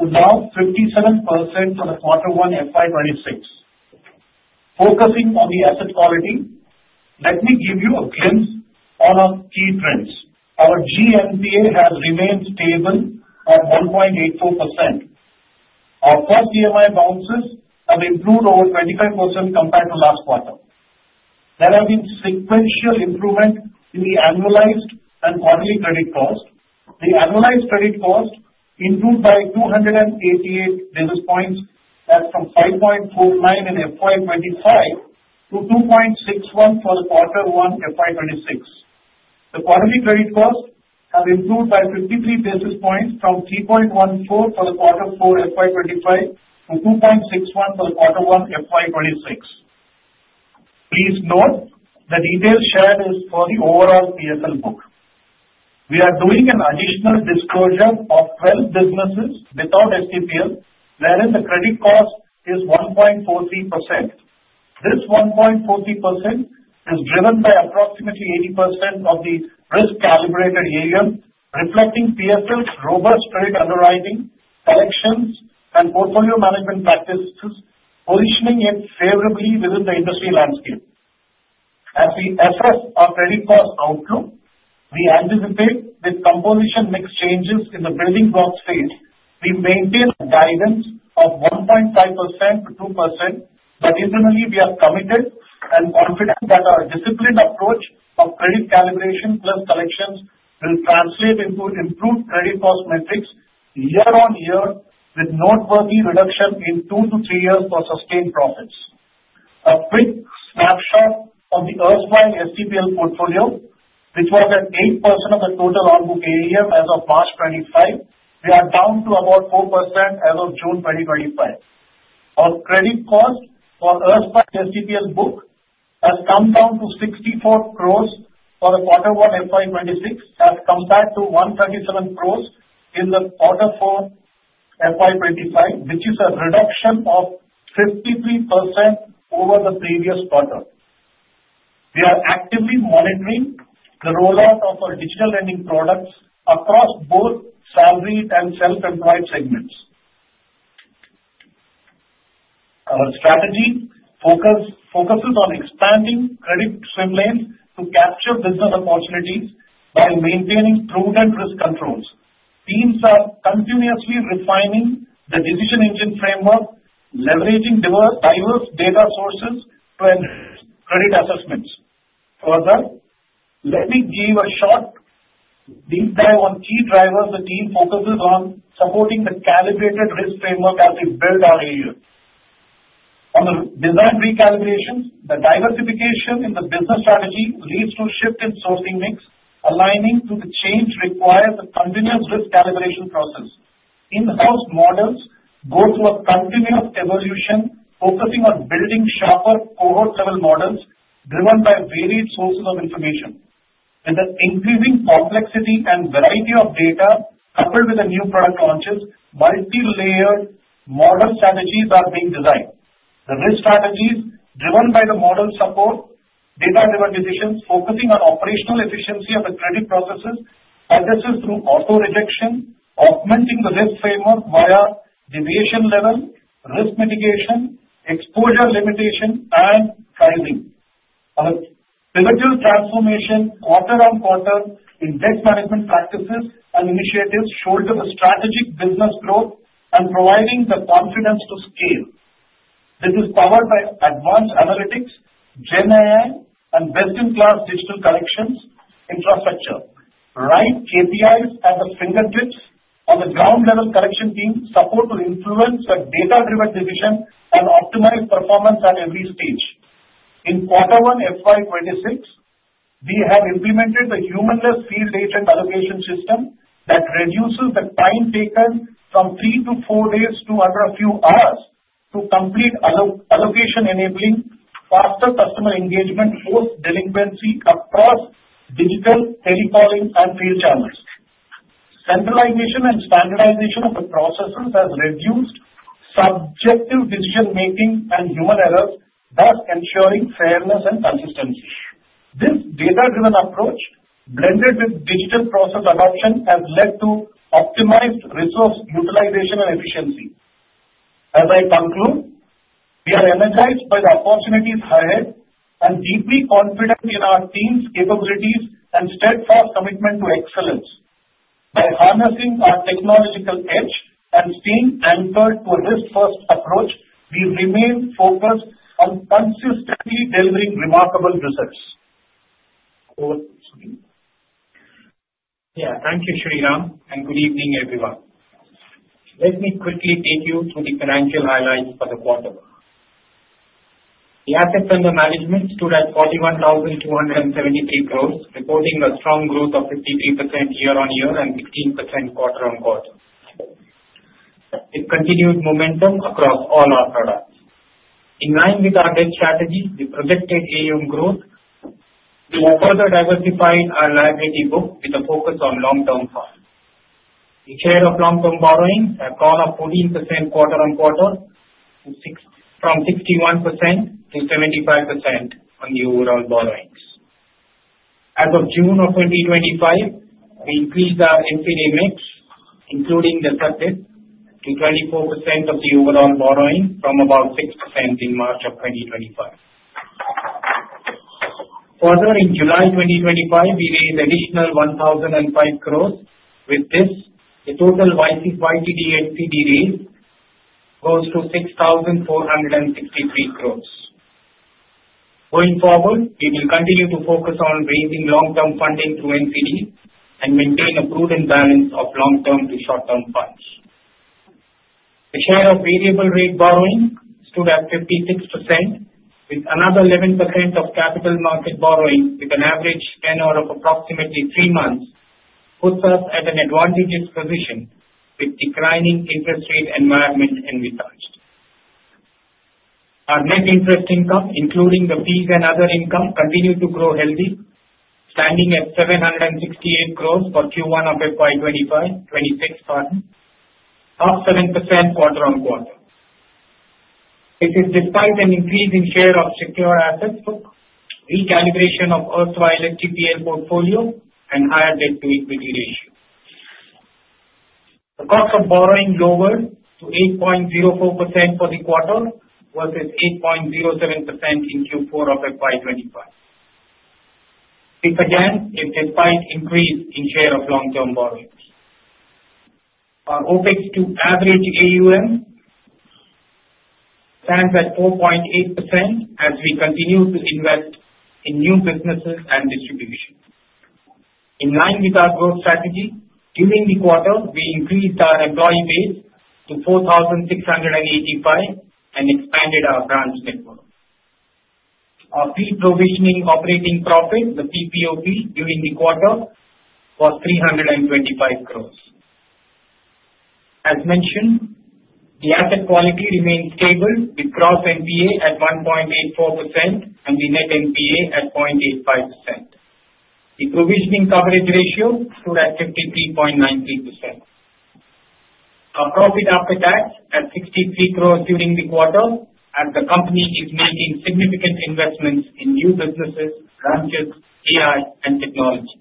to now 57% for the quarter one FY 2026. Focusing on the asset quality, let me give you a glimpse on our key trends. Our GNPA has remained stable at 1.84%. Our first EMI bounces have improved over 25% compared to last quarter. There have been sequential improvements in the annualized and quarterly credit cost. The annualized credit cost improved by 288 basis points. That's from 5.49 in FY 2025 to 2.61 for the quarter one FY 2026. The quarterly credit cost has improved by 53 basis points from 3.14 for the quarter four FY 2025 to 2.61 for the quarter one FY 2026. Please note, the detail shared is for the overall PFL book. We are doing an additional disclosure of 12 businesses without STPL, wherein the credit cost is 1.43%. This 1.43% is driven by approximately 80% of the risk-calibrated AUM, reflecting PFL's robust credit underwriting collections and portfolio management practices, positioning it favorably within the industry landscape. As we assess our credit cost outlook, we anticipate, with composition mix changes in the building block state, we maintain a guidance of 1.5%-2%, but internally, we are committed and confident that our disciplined approach of credit calibration plus collections will translate into improved credit cost metrics year on year, with noteworthy reduction in two to three years for sustained profits. A quick snapshot of the short-term STPL portfolio, which was at 8% of the total on-book AUM as of March 25. We are down to about 4% as of June 2025. Our credit cost for short-term STPL book has come down to 64 crores for the quarter one FY 2026, has come back to 137 crores in the quarter four FY 2025, which is a reduction of 53% over the previous quarter. We are actively monitoring the rollout of our digital lending products across both salaried and self-employed segments. Our strategy focuses on expanding credit swim lanes to capture business opportunities while maintaining prudent risk controls. Teams are continuously refining the decision engine framework, leveraging diverse data sources to enhance credit assessments. Further, let me give a short deep dive on key drivers the team focuses on supporting the calibrated risk framework as we build our AUM. On the design recalibrations, the diversification in the business strategy leads to a shift in sourcing mix, aligning to the change requires a continuous risk calibration process. In-house models go through a continuous evolution, focusing on building sharper cohort-level models driven by varied sources of information. With the increasing complexity and variety of data coupled with the new product launches, multi-layered model strategies are being designed. The risk strategies driven by the model support data-driven decisions, focusing on operational efficiency of the credit processes, assesses through auto-rejection, augmenting the risk framework via deviation level, risk mitigation, exposure limitation, and pricing. Our pivotal transformation quarter-on-quarter in debt management practices and initiatives shoulder the strategic business growth and providing the confidence to scale. This is powered by advanced analytics, GenAI, and best-in-class digital collections infrastructure. Right KPIs at the fingertips of the ground-level collection team support to influence the data-driven decision and optimize performance at every stage. In quarter one FY 2026, we have implemented the human-less field agent allocation system that reduces the timetable from three to four days to under a few hours to complete allocation enabling faster customer engagement post-delinquency across digital tele calling and field channels. Centralization and standardization of the processes has reduced subjective decision-making and human errors, thus ensuring fairness and consistency. This data-driven approach blended with digital process adoption has led to optimized resource utilization and efficiency. As I conclude, we are energized by the opportunities ahead and deeply confident in our team's capabilities and steadfast commitment to excellence. By harnessing our technological edge and staying anchored to a risk-first approach, we remain focused on consistently delivering remarkable results. Yeah, thank you, Shriram, and good evening, everyone. Let me quickly take you through the financial highlights for the quarter. The asset under management stood at 41,273 crores, reporting a strong growth of 53% year-on-year and 16% quarter-on-quarter. With continued momentum across all our products. In line with our debt strategy, we projected AUM growth. We have further diversified our liability book with a focus on long-term funds. The share of long-term borrowing has gone up 14% quarter-on-quarter from 61% to 75% on the overall borrowings. As of June of 2025, we increased our NCD mix, including the sub debt, to 24% of the overall borrowing from about 6% in March of 2025. Further, in July 2025, we raised additional 1,005 crores. With this, the total YTD NCD raise goes to 6,463 crores. Going forward, we will continue to focus on raising long-term funding through NCD and maintain a prudent balance of long-term to short-term funds. The share of variable rate borrowing stood at 56%, with another 11% of capital market borrowing with an average tenor of approximately three months puts us at an advantageous position with declining interest rate environment and returns. Our net interest income, including the fees and other income, continued to grow healthy, standing at 768 crores for Q1 of FY 2025, up 7% quarter on quarter. This is despite an increase in share of secured assets book, recalibration of short-term STPL portfolio, and higher debt-to-equity ratio. The cost of borrowing lowered to 8.04% for the quarter versus 8.07% in Q4 of FY 2025. This again is despite increase in share of long-term borrowings. Our OpEx to average AUM stands at 4.8% as we continue to invest in new businesses and distribution. In line with our growth strategy, during the quarter, we increased our employee base to 4,685 and expanded our branch network. Our pre-provision operating profit, the PPOP, during the quarter was 325 crores. As mentioned, the asset quality remained stable with gross NPA at 1.84% and the net NPA at 0.85%. The provisioning coverage ratio stood at 53.93%. Our profit after tax at 63 crores during the quarter as the company is making significant investments in new businesses, branches, AI, and technology.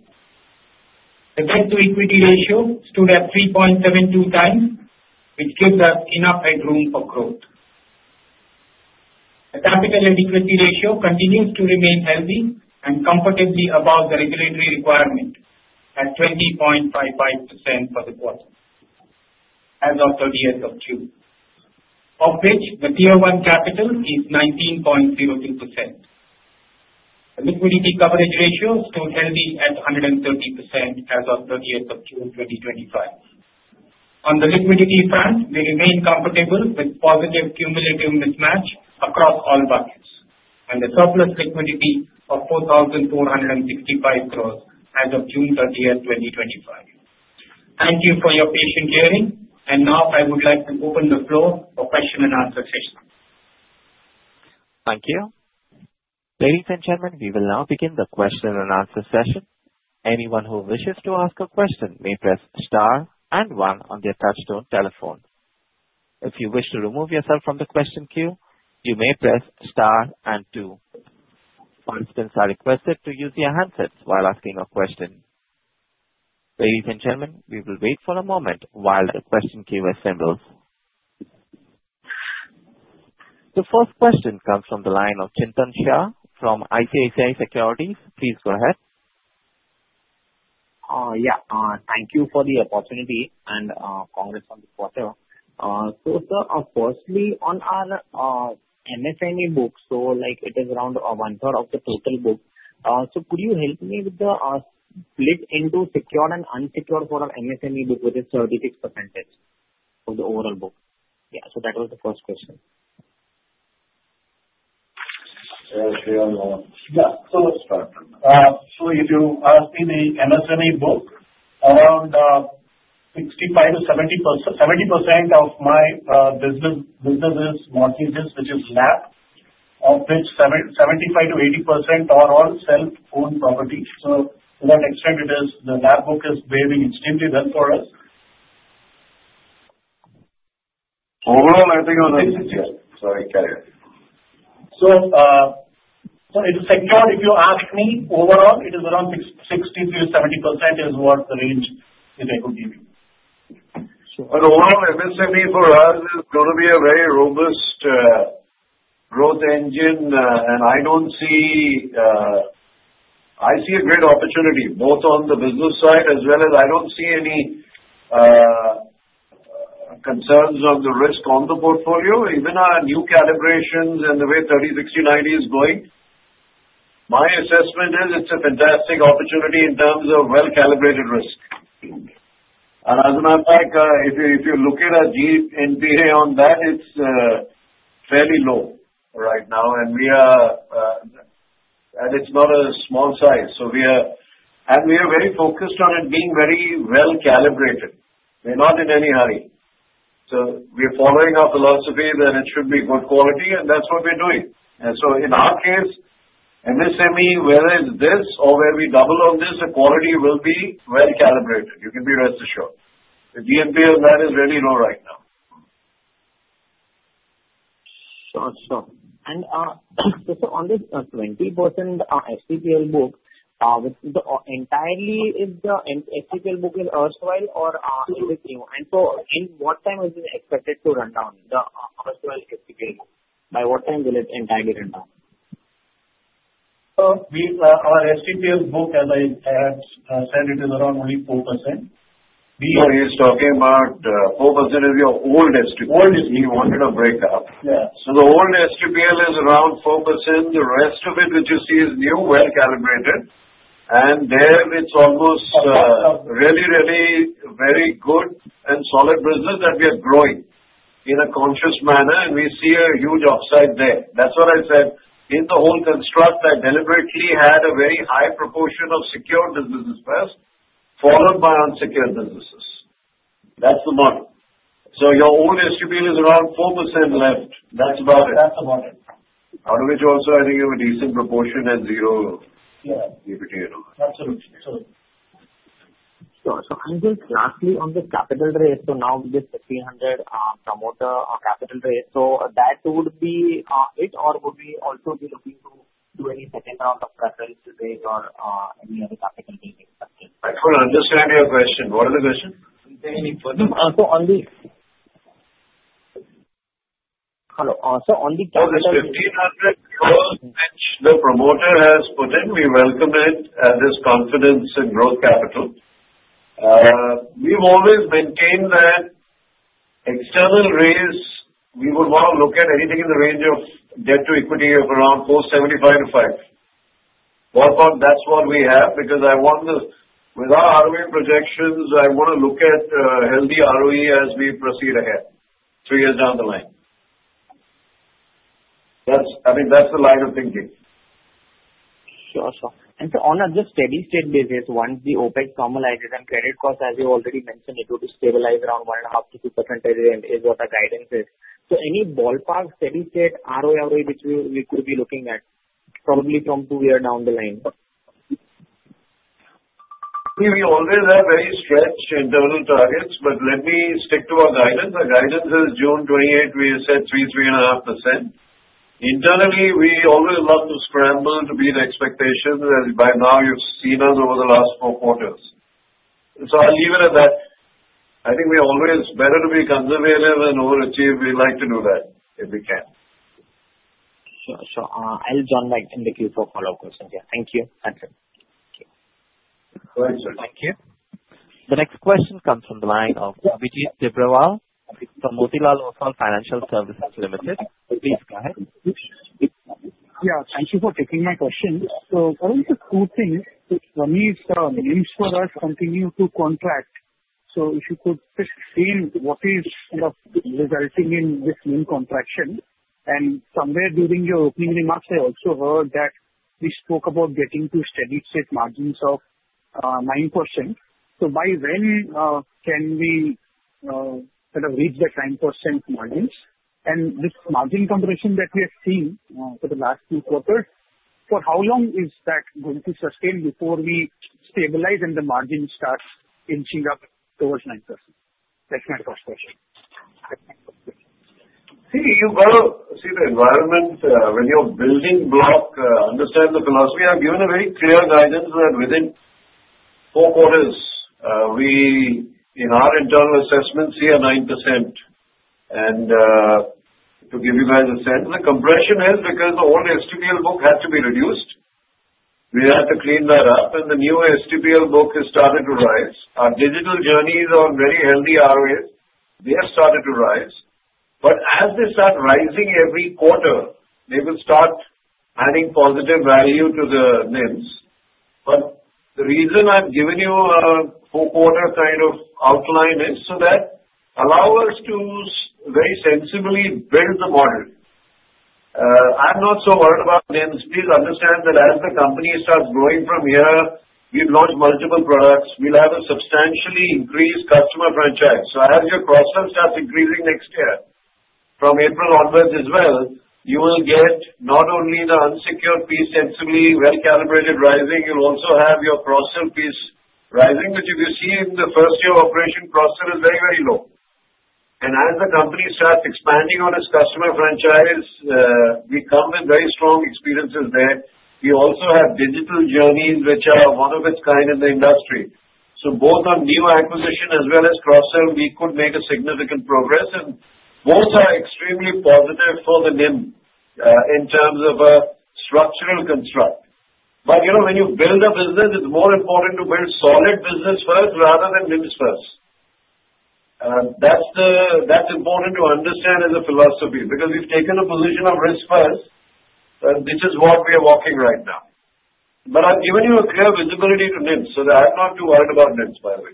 The debt-to-equity ratio stood at 3.72x, which gives us enough headroom for growth. The capital adequacy ratio continues to remain healthy and comfortably above the regulatory requirement at 20.55% for the quarter as of 30th of June, of which the Tier 1 capital is 19.02%. The liquidity coverage ratio stood healthy at 130% as of 30th of June 2025. On the liquidity front, we remain comfortable with positive cumulative mismatch across all buckets and the surplus liquidity of 4,465 crores as of June 30th, 2025. Thank you for your patience. And now I would like to open the floor for question and answer session. Thank you. Ladies and gentlemen, we will now begin the question and answer session. Anyone who wishes to ask a question may press star and one on their touch-tone telephone. If you wish to remove yourself from the question queue, you may press star and two. Participants are requested to use their handsets while asking a question. Ladies and gentlemen, we will wait for a moment while the question queue assembles. The first question comes from the line of Chintan Shah from ICICI Securities. Please go ahead. Yeah, thank you for the opportunity and congrats on the quarter. So sir, firstly on our MSME book, so it is around one-third of the total book. So could you help me with the split into secured and unsecured for our MSME book with a 36% of the overall book? Yeah, so that was the first question. Yeah, sure. So let's start. So you do ask me the MSME book, around 65%-70% of my business is mortgages, which is LAP, of which 75%-80% are all self-owned property. So to that extent, the LAP book is behaving extremely well for us. Overall, I think it was a 60. Sorry, I cut you. So it's secured, if you ask me, overall, it is around 63%-70% is what the range that I could give you. But overall, MSME for us is going to be a very robust growth engine, and I see a great opportunity both on the business side as well as I don't see any concerns on the risk on the portfolio. Even our new calibrations and the way 30, 60, 90 is going, my assessment is it's a fantastic opportunity in terms of well-calibrated risk. And as a matter of fact, if you look at our NPA on that, it's fairly low right now, and it's not a small size. And we are very focused on it being very well-calibrated. We're not in any hurry. So we're following our philosophy that it should be good quality, and that's what we're doing. And so in our case, MSME, whether it's this or whether we double on this, the quality will be well-calibrated. You can be rest assured. The GNPA on that is really low right now. Sure, sure, and so on this 20% STPL book, entirely, is the STPL book in old or is it new? And so again, what time is it expected to run down, the old STPL book? By what time will it entirely run down? Our STPL book, as I had said, it is around only 4%. So he's talking about 4% of your old STPL. He wanted a breakdown, so the old STPL is around 4%. The rest of it, which you see, is new, well-calibrated, and there, it's almost really, really very good and solid business that we are growing in a conscious manner, and we see a huge upside there. That's what I said. In the whole construct, I deliberately had a very high proportion of secured businesses first, followed by unsecured businesses. That's the model. So your old STPL is around 4% left. That's about it. Out of which also, I think you have a decent proportion at zero DPD and all that. Absolutely. So I'm just lastly on the capital raise. So now with this 300 promoter capital raise, so that would be it, or would we also be looking to do any second round of preference to take or any other capital being expected? I couldn't understand your question. What was the question? Any further? So on the capital. The promoter has put in, we welcome it as confidence in growth capital. We've always maintained that external raise, we would want to look at anything in the range of debt to equity of around 4.75-5. That's what we have because I want the with our ROE projections, I want to look at healthy ROE as we proceed ahead three years down the line. I mean, that's the line of thinking. Sure, sure. And so on a just steady-state basis, once the OpEx normalizes and credit costs, as you already mentioned, it would stabilize around 1.5%-2% is what the guidance is. So any ballpark steady-state ROE, ROE which we could be looking at probably from two years down the line? We always have very stretched internal targets, but let me stick to our guidance. Our guidance is June 2028, we said 3%-3.5%. Internally, we always love to scramble to beat expectations as by now you've seen us over the last four quarters. So I'll leave it at that. I think we're always better to be conservative than overachieve. We like to do that if we can. Sure, sure. I'll join back in the queue for follow-up questions. Yeah, thank you. Thank you. Thank you. The next question comes from the line of Abhijit Tibrewal from Motilal Oswal Financial Services Limited. Please go ahead. Yeah, thank you for taking my question. So one of the two things for me is NIMs for us continue to contract. So if you could just explain what is kind of resulting in this NIM contraction. And somewhere during your opening remarks, I also heard that we spoke about getting to steady-state margins of 9%. So by when can we kind of reach the 9% margins? And this margin compression that we have seen for the last few quarters, for how long is that going to sustain before we stabilize and the margin starts inching up towards 9%? That's my first question. See, you've got to see the environment when you're building block, understand the philosophy. I've given a very clear guidance that within four quarters, we in our internal assessment see a 9%. And to give you guys a sense, the compression is because the old STPL book had to be reduced. We had to clean that up, and the new STPL book has started to rise. Our digital journey is on very healthy ROE. They have started to rise. But as they start rising every quarter, they will start adding positive value to the NIM. But the reason I've given you a four-quarter kind of outline is so that allows us to very sensibly build the model. I'm not so worried about NIMS. Please understand that as the company starts growing from here, we've launched multiple products. We'll have a substantially increased customer franchise. So, as your cross-sell starts increasing next year from April onwards as well, you will get not only the unsecured piece sensibly well-calibrated rising. You'll also have your cross-sell piece rising, which, if you see in the first year operation, cross-sell is very, very low. And as the company starts expanding on its customer franchise, we come with very strong experiences there. We also have digital journeys, which are one of a kind in the industry. So both on new acquisition as well as cross-sell, we could make a significant progress. And both are extremely positive for the NIM in terms of a structural construct. But when you build a business, it's more important to build solid business first rather than NIMs first. That's important to understand as a philosophy because we've taken a position of risk first. This is what we are working right now. But I've given you a clear visibility to NIMs, so I'm not too worried about NIMs, by the way.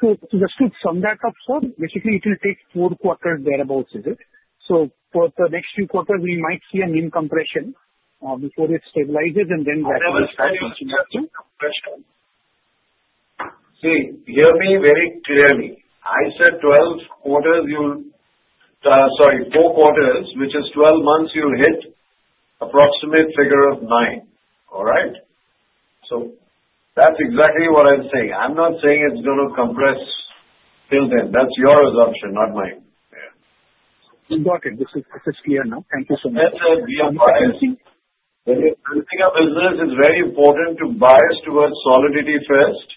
So just to sum that up, sir, basically, it will take four quarters thereabouts, is it? So for the next few quarters, we might see a NIM compression before it stabilizes and then that. See, hear me very clearly. I said 12 quarters you'll sorry, four quarters, which is 12 months, you'll hit approximate figure of nine. All right? So that's exactly what I'm saying. I'm not saying it's going to compress till then. That's your assumption, not mine. You got it. This is clear now. Thank you so much. The other thing is business is very important to bias towards solidity first.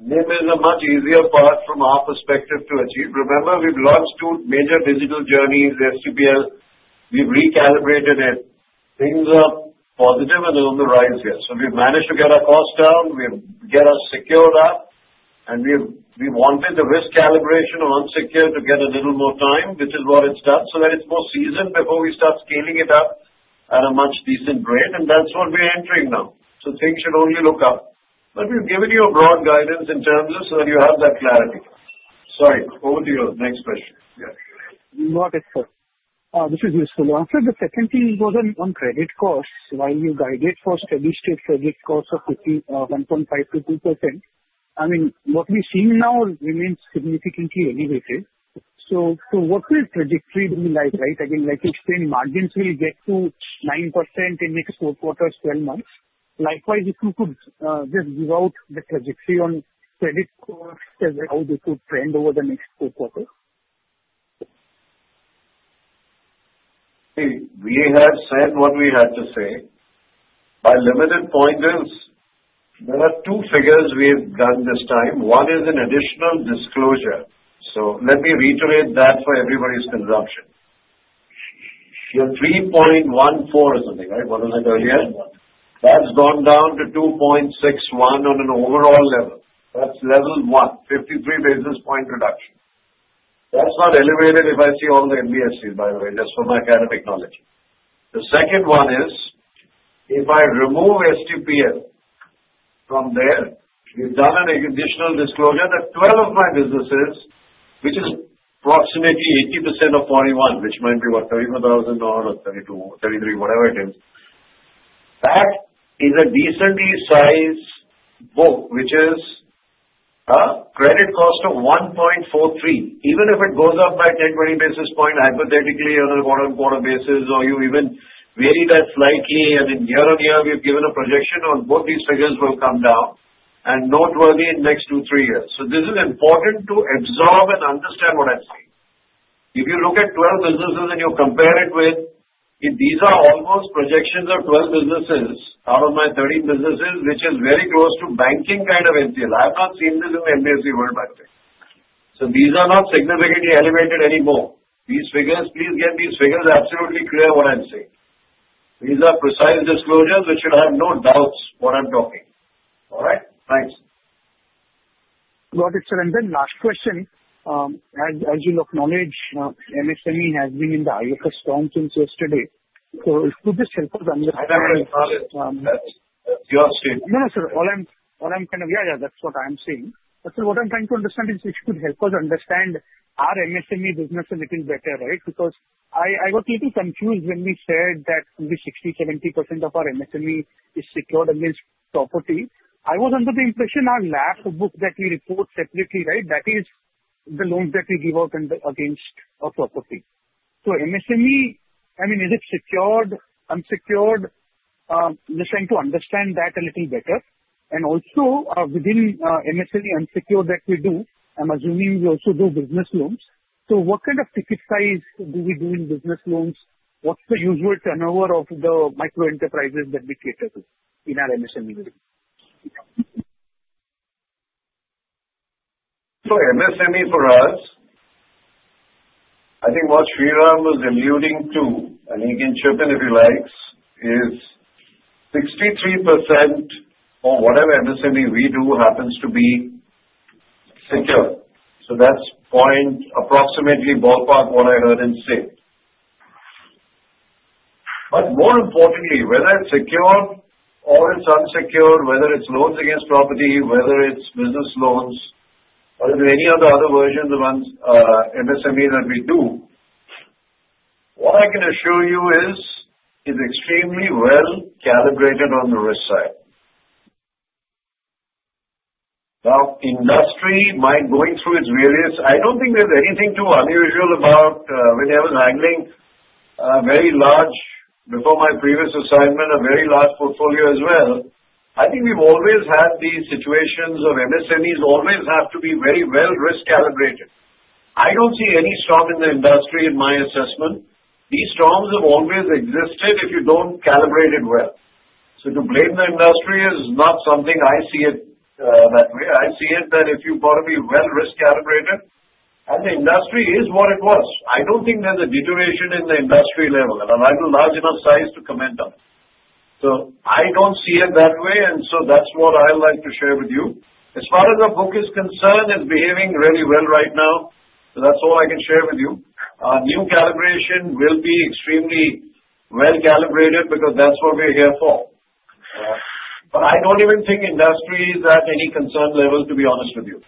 NIM is a much easier path from our perspective to achieve. Remember, we've launched two major digital journeys, STPL. We've recalibrated it. Things are positive and on the rise here. So we've managed to get our cost down. We've got us secured up. And we wanted the risk calibration on unsecured to get a little more time, which is what it's done. So that it's more seasoned before we start scaling it up at a much decent rate. And that's what we're entering now. So things should only look up. But we've given you a broad guidance in terms of so that you have that clarity. Sorry, over to you. Next question. Yeah. Not at all. This is useful. After the second thing was on credit costs while you guided for steady-state credit costs of 1.5%-2%. I mean, what we're seeing now remains significantly elevated. So what will trajectory be like, right? Again, like you explained, margins will get to 9% in the next four quarters, 12 months. Likewise, if you could just give out the trajectory on credit costs as how they could trend over the next four quarters. We have said what we had to say. By limited pointers, there are two figures we have done this time. One is an additional disclosure. So let me reiterate that for everybody's consumption. You have 3.14 or something, right? What was it earlier? That's gone down to 2.61 on an overall level. That's level one, 53 basis point reduction. That's not elevated if I see all the NBFCs, by the way, just for my academic knowledge. The second one is if I remove STPL from there, we've done an additional disclosure that 12 of my businesses, which is approximately 80% of 41, which might be what, 34,000 or 32, 33, whatever it is, that is a decently sized book, which is a credit cost of 1.43. Even if it goes up by 10-20 basis points, hypothetically, on a quarter-quarter basis, or you even weighed that slightly, and in year on year, we've given a projection on both these figures will come down and noteworthy in the next two to three years. So this is important to absorb and understand what I'm saying. If you look at 12 businesses and you compare it with these are almost projections of 12 businesses out of my 30 businesses, which is very close to banking kind of NPL. I have not seen this in the NBFC world, by the way. So these are not significantly elevated anymore. These figures, please get these figures absolutely clear what I'm saying. These are precise disclosures, which should have no doubts what I'm talking. All right? Thanks. Got it, sir. And then last question. As you know, new MSME has been in the fold since yesterday. So it could just help us understand. I never acknowledge. That's your statement. No, no, sir. All I'm kind of yeah, yeah, that's what I'm saying. But what I'm trying to understand is it could help us understand our MSME business a little better, right? Because I got a little confused when we said that only 60%-70% of our MSME is secured against property. I was under the impression our LAP book that we report separately, right? That is the loans that we give out against our property. So MSME, I mean, is it secured, unsecured? Just trying to understand that a little better. And also within MSME unsecured that we do, I'm assuming we also do business loans. So what kind of ticket size do we do in business loans? What's the usual turnover of the microenterprises that we cater to in our MSME? So MSME for us, I think what Shriram was alluding to, and he can chip in if he likes, is 63% or whatever MSME we do happens to be secure. So that's point approximately ballpark what I heard him say. But more importantly, whether it's secured or it's unsecured, whether it's loans against property, whether it's business loans, or if there are any other versions, the ones MSME that we do, what I can assure you is it's extremely well calibrated on the risk side. Now, industry might going through its various I don't think there's anything too unusual about when I was handling a very large before my previous assignment, a very large portfolio as well. I think we've always had these situations of MSMEs always have to be very well risk calibrated. I don't see any storm in the industry in my assessment. These storms have always existed if you don't calibrate it well. So to blame the industry is not something I see it that way. I see it that if you've got to be well risk calibrated, and the industry is what it was. I don't think there's a deterioration in the industry level. I've got a large enough size to comment on it. So I don't see it that way. And so that's what I'd like to share with you. As far as the book is concerned, it's behaving really well right now. So that's all I can share with you. Our new calibration will be extremely well calibrated because that's what we're here for. But I don't even think industry is at any concern level, to be honest with you.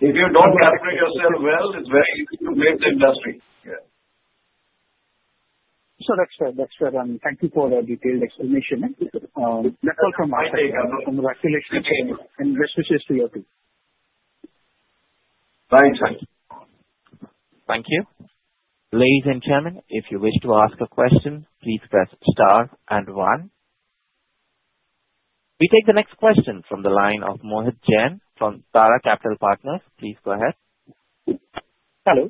If you don't calibrate yourself well, it's very easy to blame the industry. Yeah. Sure, that's fair. That's fair. And thank you for the detailed explanation. That's all from my side. Congratulations. And best wishes to you too. Thanks. Thank you. Ladies and gentlemen, if you wish to ask a question, please press star and one. We take the next question from the line of Mohit Jain from Tara Capital Partners. Please go ahead. Hello.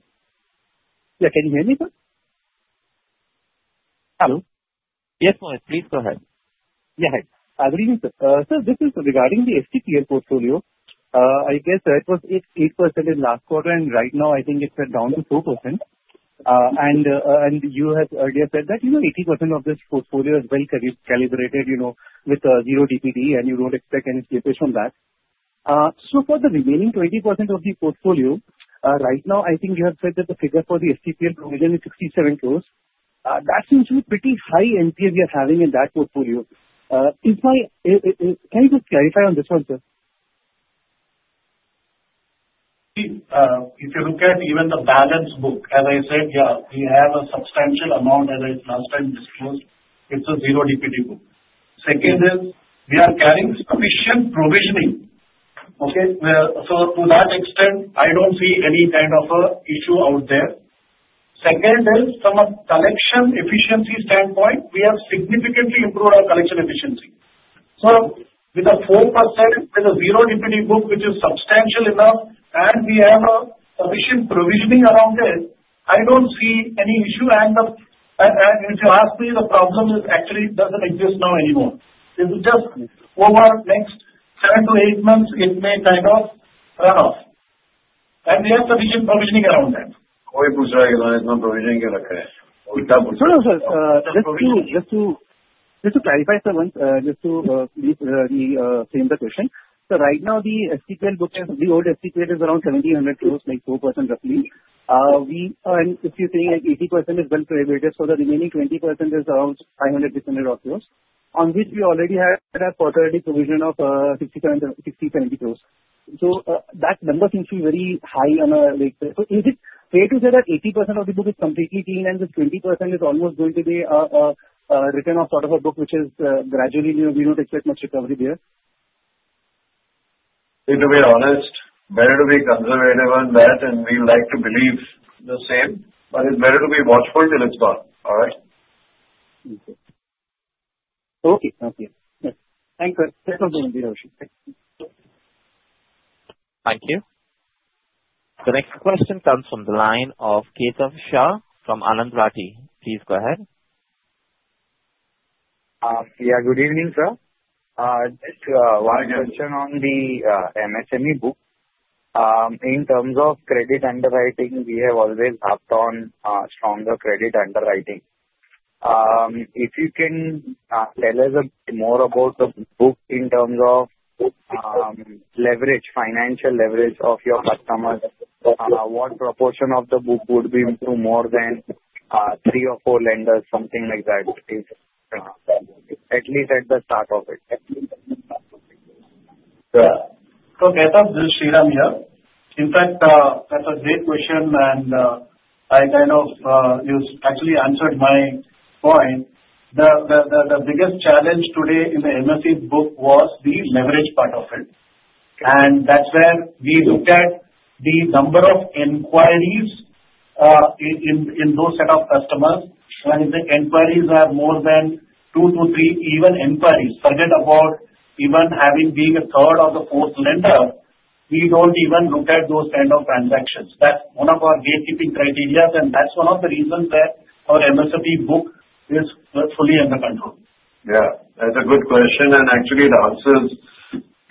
Yeah, can you hear me, sir? Hello? Yes, Mohit, please go ahead. Yeah, I'm reading, sir. Sir, this is regarding the STPL portfolio. I guess it was 8% in last quarter, and right now I think it's down to 2%. And you have earlier said that 80% of this portfolio is well calibrated with zero DPD, and you don't expect any slippage from that. So for the remaining 20% of the portfolio, right now I think you have said that the figure for the STPL provision is 67 crores. That seems to be pretty high NPS you're having in that portfolio. Can you just clarify on this one, sir? If you look at even the balance book, as I said, yeah, we have a substantial amount as I last time disclosed. It's a zero DPD book. Second is we are carrying sufficient provisioning. Okay? So to that extent, I don't see any kind of an issue out there. Second is from a collection efficiency standpoint, we have significantly improved our collection efficiency. So with a 4% with a zero DPD book, which is substantial enough, and we have a sufficient provisioning around it, I don't see any issue. And if you ask me, the problem actually doesn't exist now anymore. This is just over the next seven to eight months; it may kind of run off, and we have sufficient provisioning around that. Oh, it looks like it has no provisioning yet, okay. No, no, sir. Just to clarify, sir, just to reframe the question. So right now, the STPL book, the old STPL, is around 1,700 crores, like 4% roughly, and if you're saying like 80% is well provisioned, so the remaining 20% is around 500-600 crores, on which we already have a quarterly provision of 60-70 crores, so that number seems to be very high from a layman's side. So is it fair to say that 80% of the book is completely clean and the 20% is almost going to be a write-off of part of a book, which gradually we don't expect much recovery there? To be honest, better to be conservative on that, and we like to believe the same. But it's better to be watchful till it's gone. All right? Okay. Thank you. The next question comes from the line of Kaitav Shah from Anand Rathi. Please go ahead. Yeah, good evening, sir. Just one question on the MSME book. In terms of credit underwriting, we have always hopped on stronger credit underwriting. If you can tell us more about the book in terms of leverage, financial leverage of your customers, what proportion of the book would be more than three or four lenders, something like that, at least at the start of it? Kaitav, this is Shriram here. In fact, that's a great question, and I kind of you actually answered my point. The biggest challenge today in the MSME book was the leverage part of it. That's where we looked at the number of inquiries in those set of customers. The inquiries are more than two to three even inquiries. Forget about even having being a third or the fourth lender. We don't even look at those kind of transactions. That's one of our gatekeeping criteria, and that's one of the reasons that our MSME book is fully under control. Yeah. That's a good question. Actually, the answers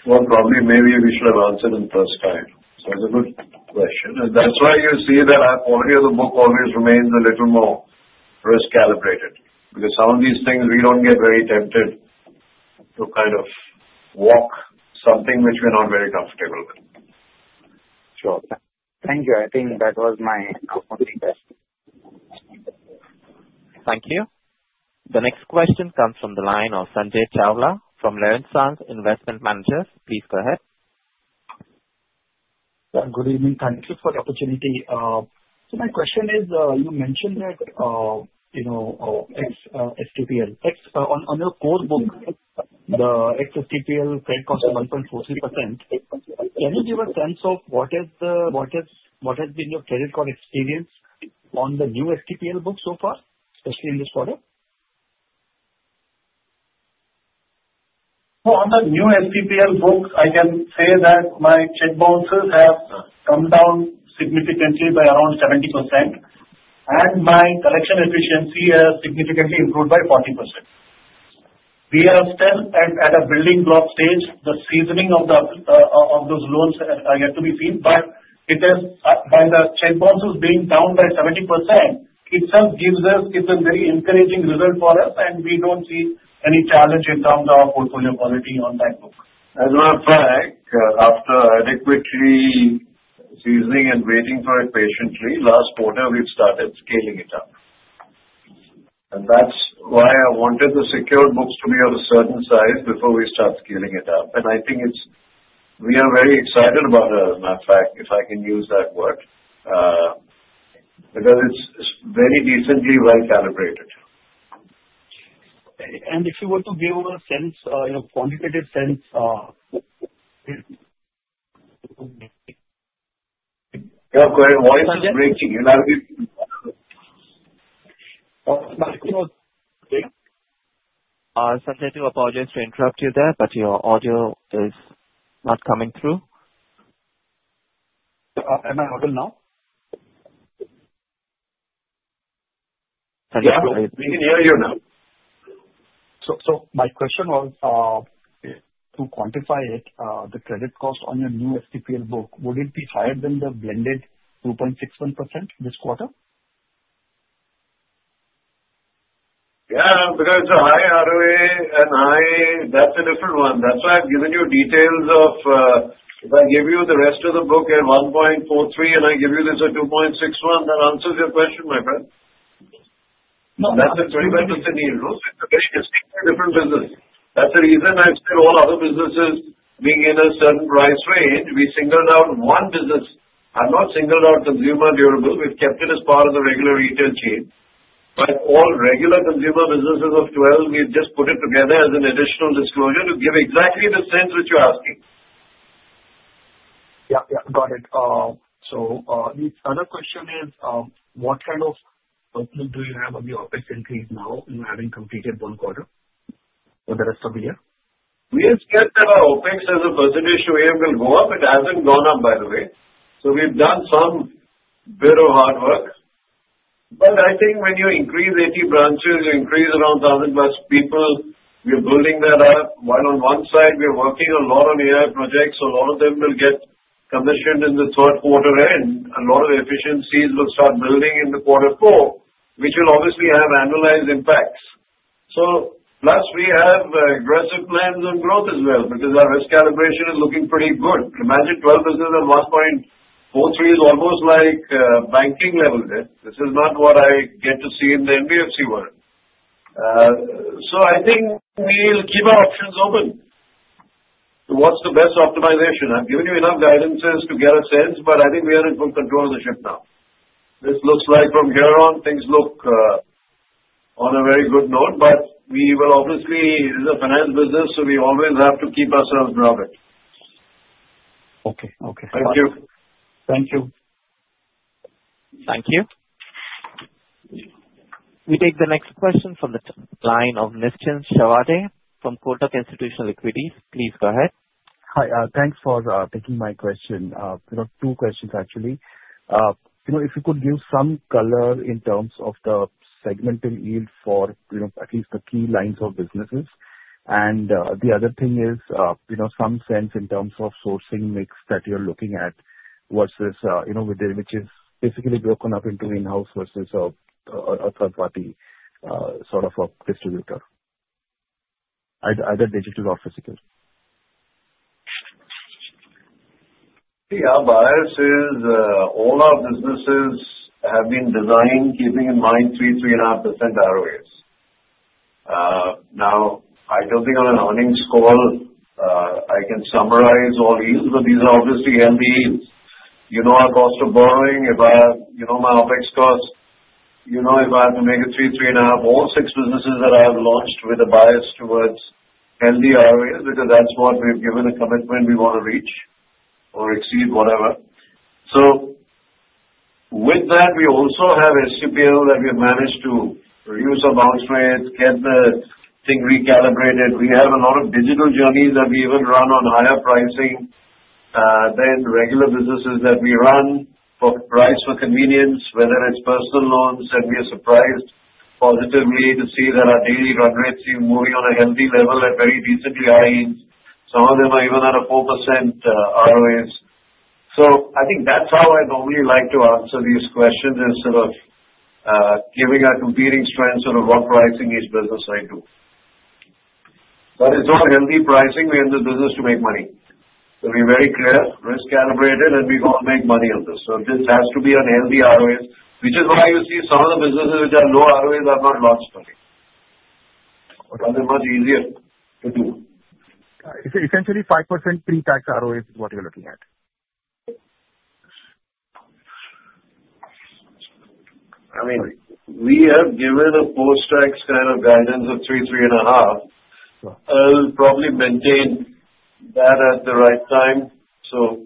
were probably maybe we should have answered in the first time. It's a good question. That's why you see that our quality of the book always remains a little more risk calibrated. Because some of these things, we don't get very tempted to kind of walk something which we're not very comfortable with. Sure. Thank you. I think that was my only question. Thank you. The next question comes from the line of Sanjay Chawla from Renaissance Investment Managers. Please go ahead. Good evening. Thank you for the opportunity. So my question is, you mentioned that existing STPL on your core book, the existing STPL credit cost of 1.43%. Can you give a sense of what has been your credit cost experience on the new STPL book so far, especially in this quarter? So on the new STPL book, I can say that my cheque bounces have come down significantly by around 70%. And my collection efficiency has significantly improved by 40%. We are still at a building block stage. The seasoning of those loans are yet to be seen. But by the cheque bounces being down by 70%, itself gives us it's a very encouraging result for us, and we don't see any challenge in terms of portfolio quality on that book. As a matter of fact, after adequately seasoning and waiting for it patiently, last quarter, we've started scaling it up, and that's why I wanted the secured books to be of a certain size before we start scaling it up. I think we are very excited about it, as a matter of fact, if I can use that word, because it's very decently well calibrated, And if you were to give a sense, in a quantitative sense. Your query is breaking. You're not able to. Sanjay, I apologize to interrupt you there, but your audio is not coming through. Am I audible now? We can hear you now. So my question was, to quantify it, the credit cost on your new STPL book, would it be higher than the blended 2.61% this quarter? Yeah, because the high ROA and high, that's a different one. That's why I've given you details of if I give you the rest of the book at 1.43 and I give you this at 2.61, that answers your question, my friend. That's a very different business. That's the reason I've said all other businesses being in a certain price range, we singled out one business. I've not singled out consumer durable. We've kept it as part of the regular retail chain. But all regular consumer businesses of 12, we've just put it together as an additional disclosure to give exactly the sense which you're asking. Yeah, yeah. Got it. So the other question is, what kind of burden do you have on the OpEx increase now, having completed one quarter for the rest of the year? We expect that our OpEx as a percentage way will go up. It hasn't gone up, by the way. So we've done some bit of hard work. But I think when you increase 80 branches, you increase around 1,000+ people. We're building that up. While on one side, we're working a lot on AI projects. A lot of them will get commissioned in the third quarter end. A lot of efficiencies will start building in the quarter four, which will obviously have annualized impacts. So plus, we have aggressive plans on growth as well because our risk calibration is looking pretty good. Imagine 12 businesses at 1.43 is almost like banking level there. This is not what I get to see in the NBFC world. So I think we'll keep our options open. What's the best optimization? I've given you enough guidances to get a sense, but I think we are in full control of the ship now. This looks like from here on, things look on a very good note, but we will obviously it is a finance business, so we always have to keep ourselves grounded. Okay. Okay. Thank you. Thank you. Thank you. We take the next question from the line of Nischint Chawathe from Kotak Institutional Equities. Please go ahead. Hi. Thanks for taking my question. Two questions, actually. If you could give some colour in terms of the segmental yield for at least the key lines of businesses. And the other thing is some sense in terms of sourcing mix that you're looking at versus which is basically broken up into in-house versus a third-party sort of a distributor, either digital or physical. The bias is all our businesses have been designed keeping in mind 3%-3.5% ROAs. Now, I don't think on an earnings call, I can summarize all yields, but these are obviously healthy yields. You know our cost of borrowing. My OpEx cost, you know if I have to make it three, 3.5, all six businesses that I have launched with a bias towards healthy ROAs because that's what we've given a commitment we want to reach or exceed, whatever. So with that, we also have STPL that we have managed to reduce our balance rate, get the thing recalibrated. We have a lot of digital journeys that we even run on higher pricing than regular businesses that we run for price for convenience, whether it's personal loans, and we are surprised positively to see that our daily run rates seem moving on a healthy level at very decently high yields. Some of them are even at a 4% ROAs. I think that's how I normally like to answer these questions instead of giving our competing strengths sort of what pricing each business I do. But it's all healthy pricing. We're in the business to make money. So we're very clear, risk-calibrated, and we want to make money on this. So this has to be on healthy ROAs, which is why you see some of the businesses which have low ROAs are not launched for me. Because they're much easier to do. Essentially, 5% pre-tax ROAs is what you're looking at. I mean, we have given a post-tax kind of guidance of 3%-3.5%. I'll probably maintain that at the right time. So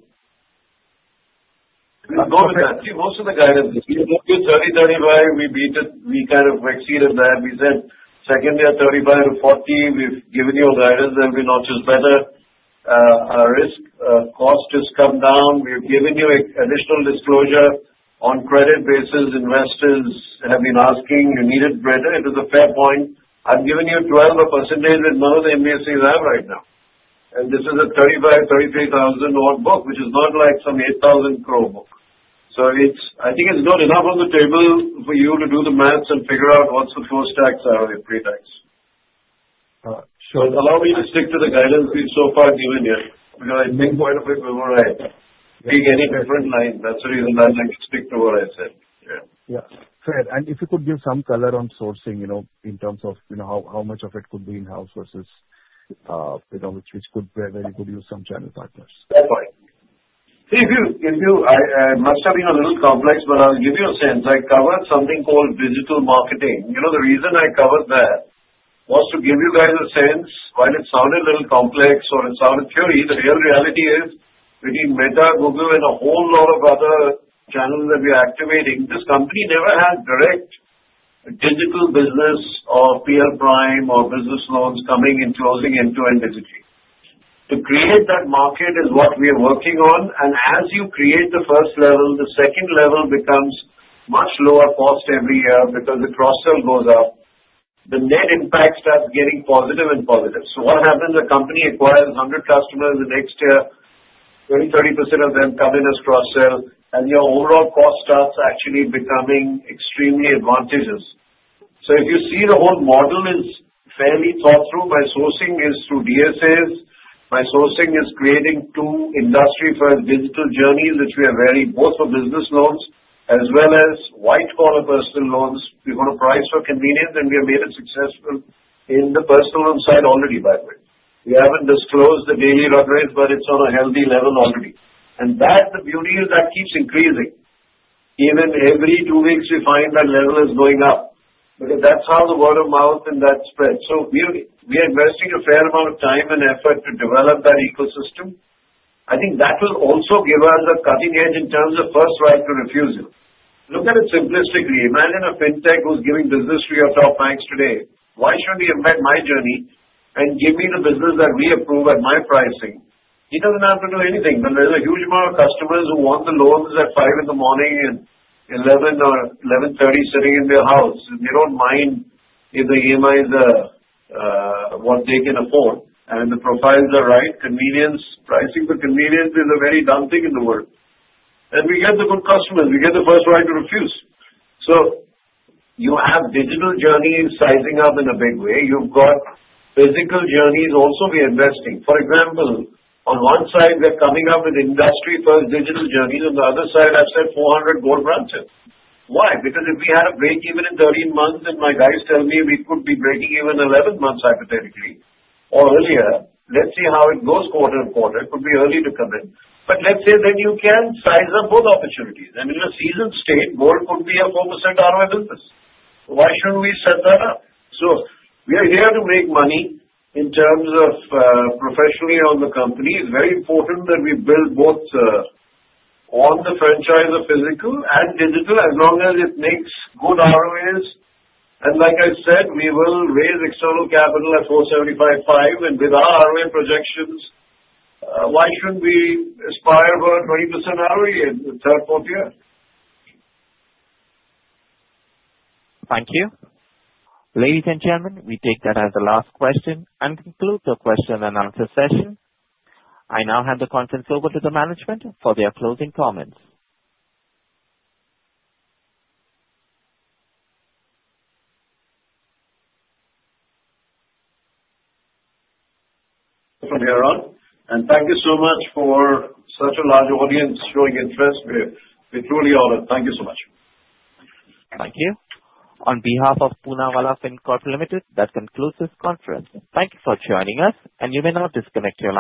we've gone with that. Most of the guidance is 30%-35%. We kind of exceeded that. We said, "Second year, 35%-40%." We've given you a guidance that we launched better. Our risk cost has come down. We've given you an additional disclosure on credit basis. Investors have been asking. You needed better. It was a fair point. I've given you 12% with none of the NBFCs I have right now. And this is a 35,000, 33,000 odd book, which is not like some 8,000-crore book. So I think it's good enough on the table for you to do the math and figure out what's the post-tax ROA pre-tax. So allow me to stick to the guidance we've so far given here. Because I think quite a bit before I take any different line. That's the reason I stick to what I said. Yeah. Yeah. Fair. And if you could give some colour on sourcing in terms of how much of it could be in-house versus which could be where you could use some channel partners. That's fine. It must have been a little complex, but I'll give you a sense. I covered something called digital marketing. The reason I covered that was to give you guys a sense. While it sounded a little complex or it sounded theoretical, the real reality is between Meta, Google, and a whole lot of other channels that we are activating, this company never had direct digital business or PL Prime or business loans coming and closing end-to-end digitally. To create that market is what we are working on. And as you create the first level, the second level becomes much lower cost every year because the cross-sell goes up. The net impact starts getting positive and positive. So what happens? The company acquires 100 customers the next year. 30% of them come in as cross-sell. And your overall cost starts actually becoming extremely advantageous. So if you see the whole model is fairly thought through. My sourcing is through DSAs. My sourcing is creating two industry-first digital journeys, which we are very proud of both for business loans as well as white-collar personal loans. We're going to price for convenience, and we have made it successful in the personal loan side already, by the way. We haven't disclosed the daily run rate, but it's on a healthy level already. And that, the beauty is that keeps increasing. Even every two weeks, we find that level is going up. Because that's how the word of mouth and that spread. So we are investing a fair amount of time and effort to develop that ecosystem. I think that will also give us a cutting edge in terms of first right to refusal. Look at it simplistically. Imagine a fintech who's giving business to your top banks today. Why shouldn't he embed my journey and give me the business that we approve at my pricing? He doesn't have to do anything, but there's a huge amount of customers who want the loans at 5:00 A.M. and 11:00 P.M. or 11:30 P.M. sitting in their house. They don't mind if the EMIs are what they can afford, and if the profiles are right, convenience, pricing for convenience is a very dumb thing in the world, and we get the good customers. We get the first right to refuse, so you have digital journeys sizing up in a big way. You've got physical journeys. Also, we are investing. For example, on one side, they're coming up with industry-first digital journeys. On the other side, I've said 400 gold branches. Why? Because if we had a break even in 13 months, and my guys tell me we could be breaking even 11 months hypothetically or earlier, let's see how it goes quarter to quarter. It could be early to come in. But let's say then you can size up both opportunities. I mean, in a seasoned state, gold could be a 4% ROA business. Why shouldn't we set that up? So we are here to make money in terms of professionally on the company. It's very important that we build both on the franchise of physical and digital as long as it makes good ROAs. And like I said, we will raise external capital at 4.75-5. And with our ROA projections, why shouldn't we aspire for a 20% ROA in the third quarter year? Thank you. Ladies and gentlemen, we take that as the last question and conclude the question and answer session. I now hand the contents over to the management for their closing comments. From here and thank you so much for such a large audience showing interest. We truly owe it. Thank you so much. Thank you. On behalf of Poonawalla Fincorp Limited, that concludes this conference. Thank you for joining us, and you may now disconnect your line.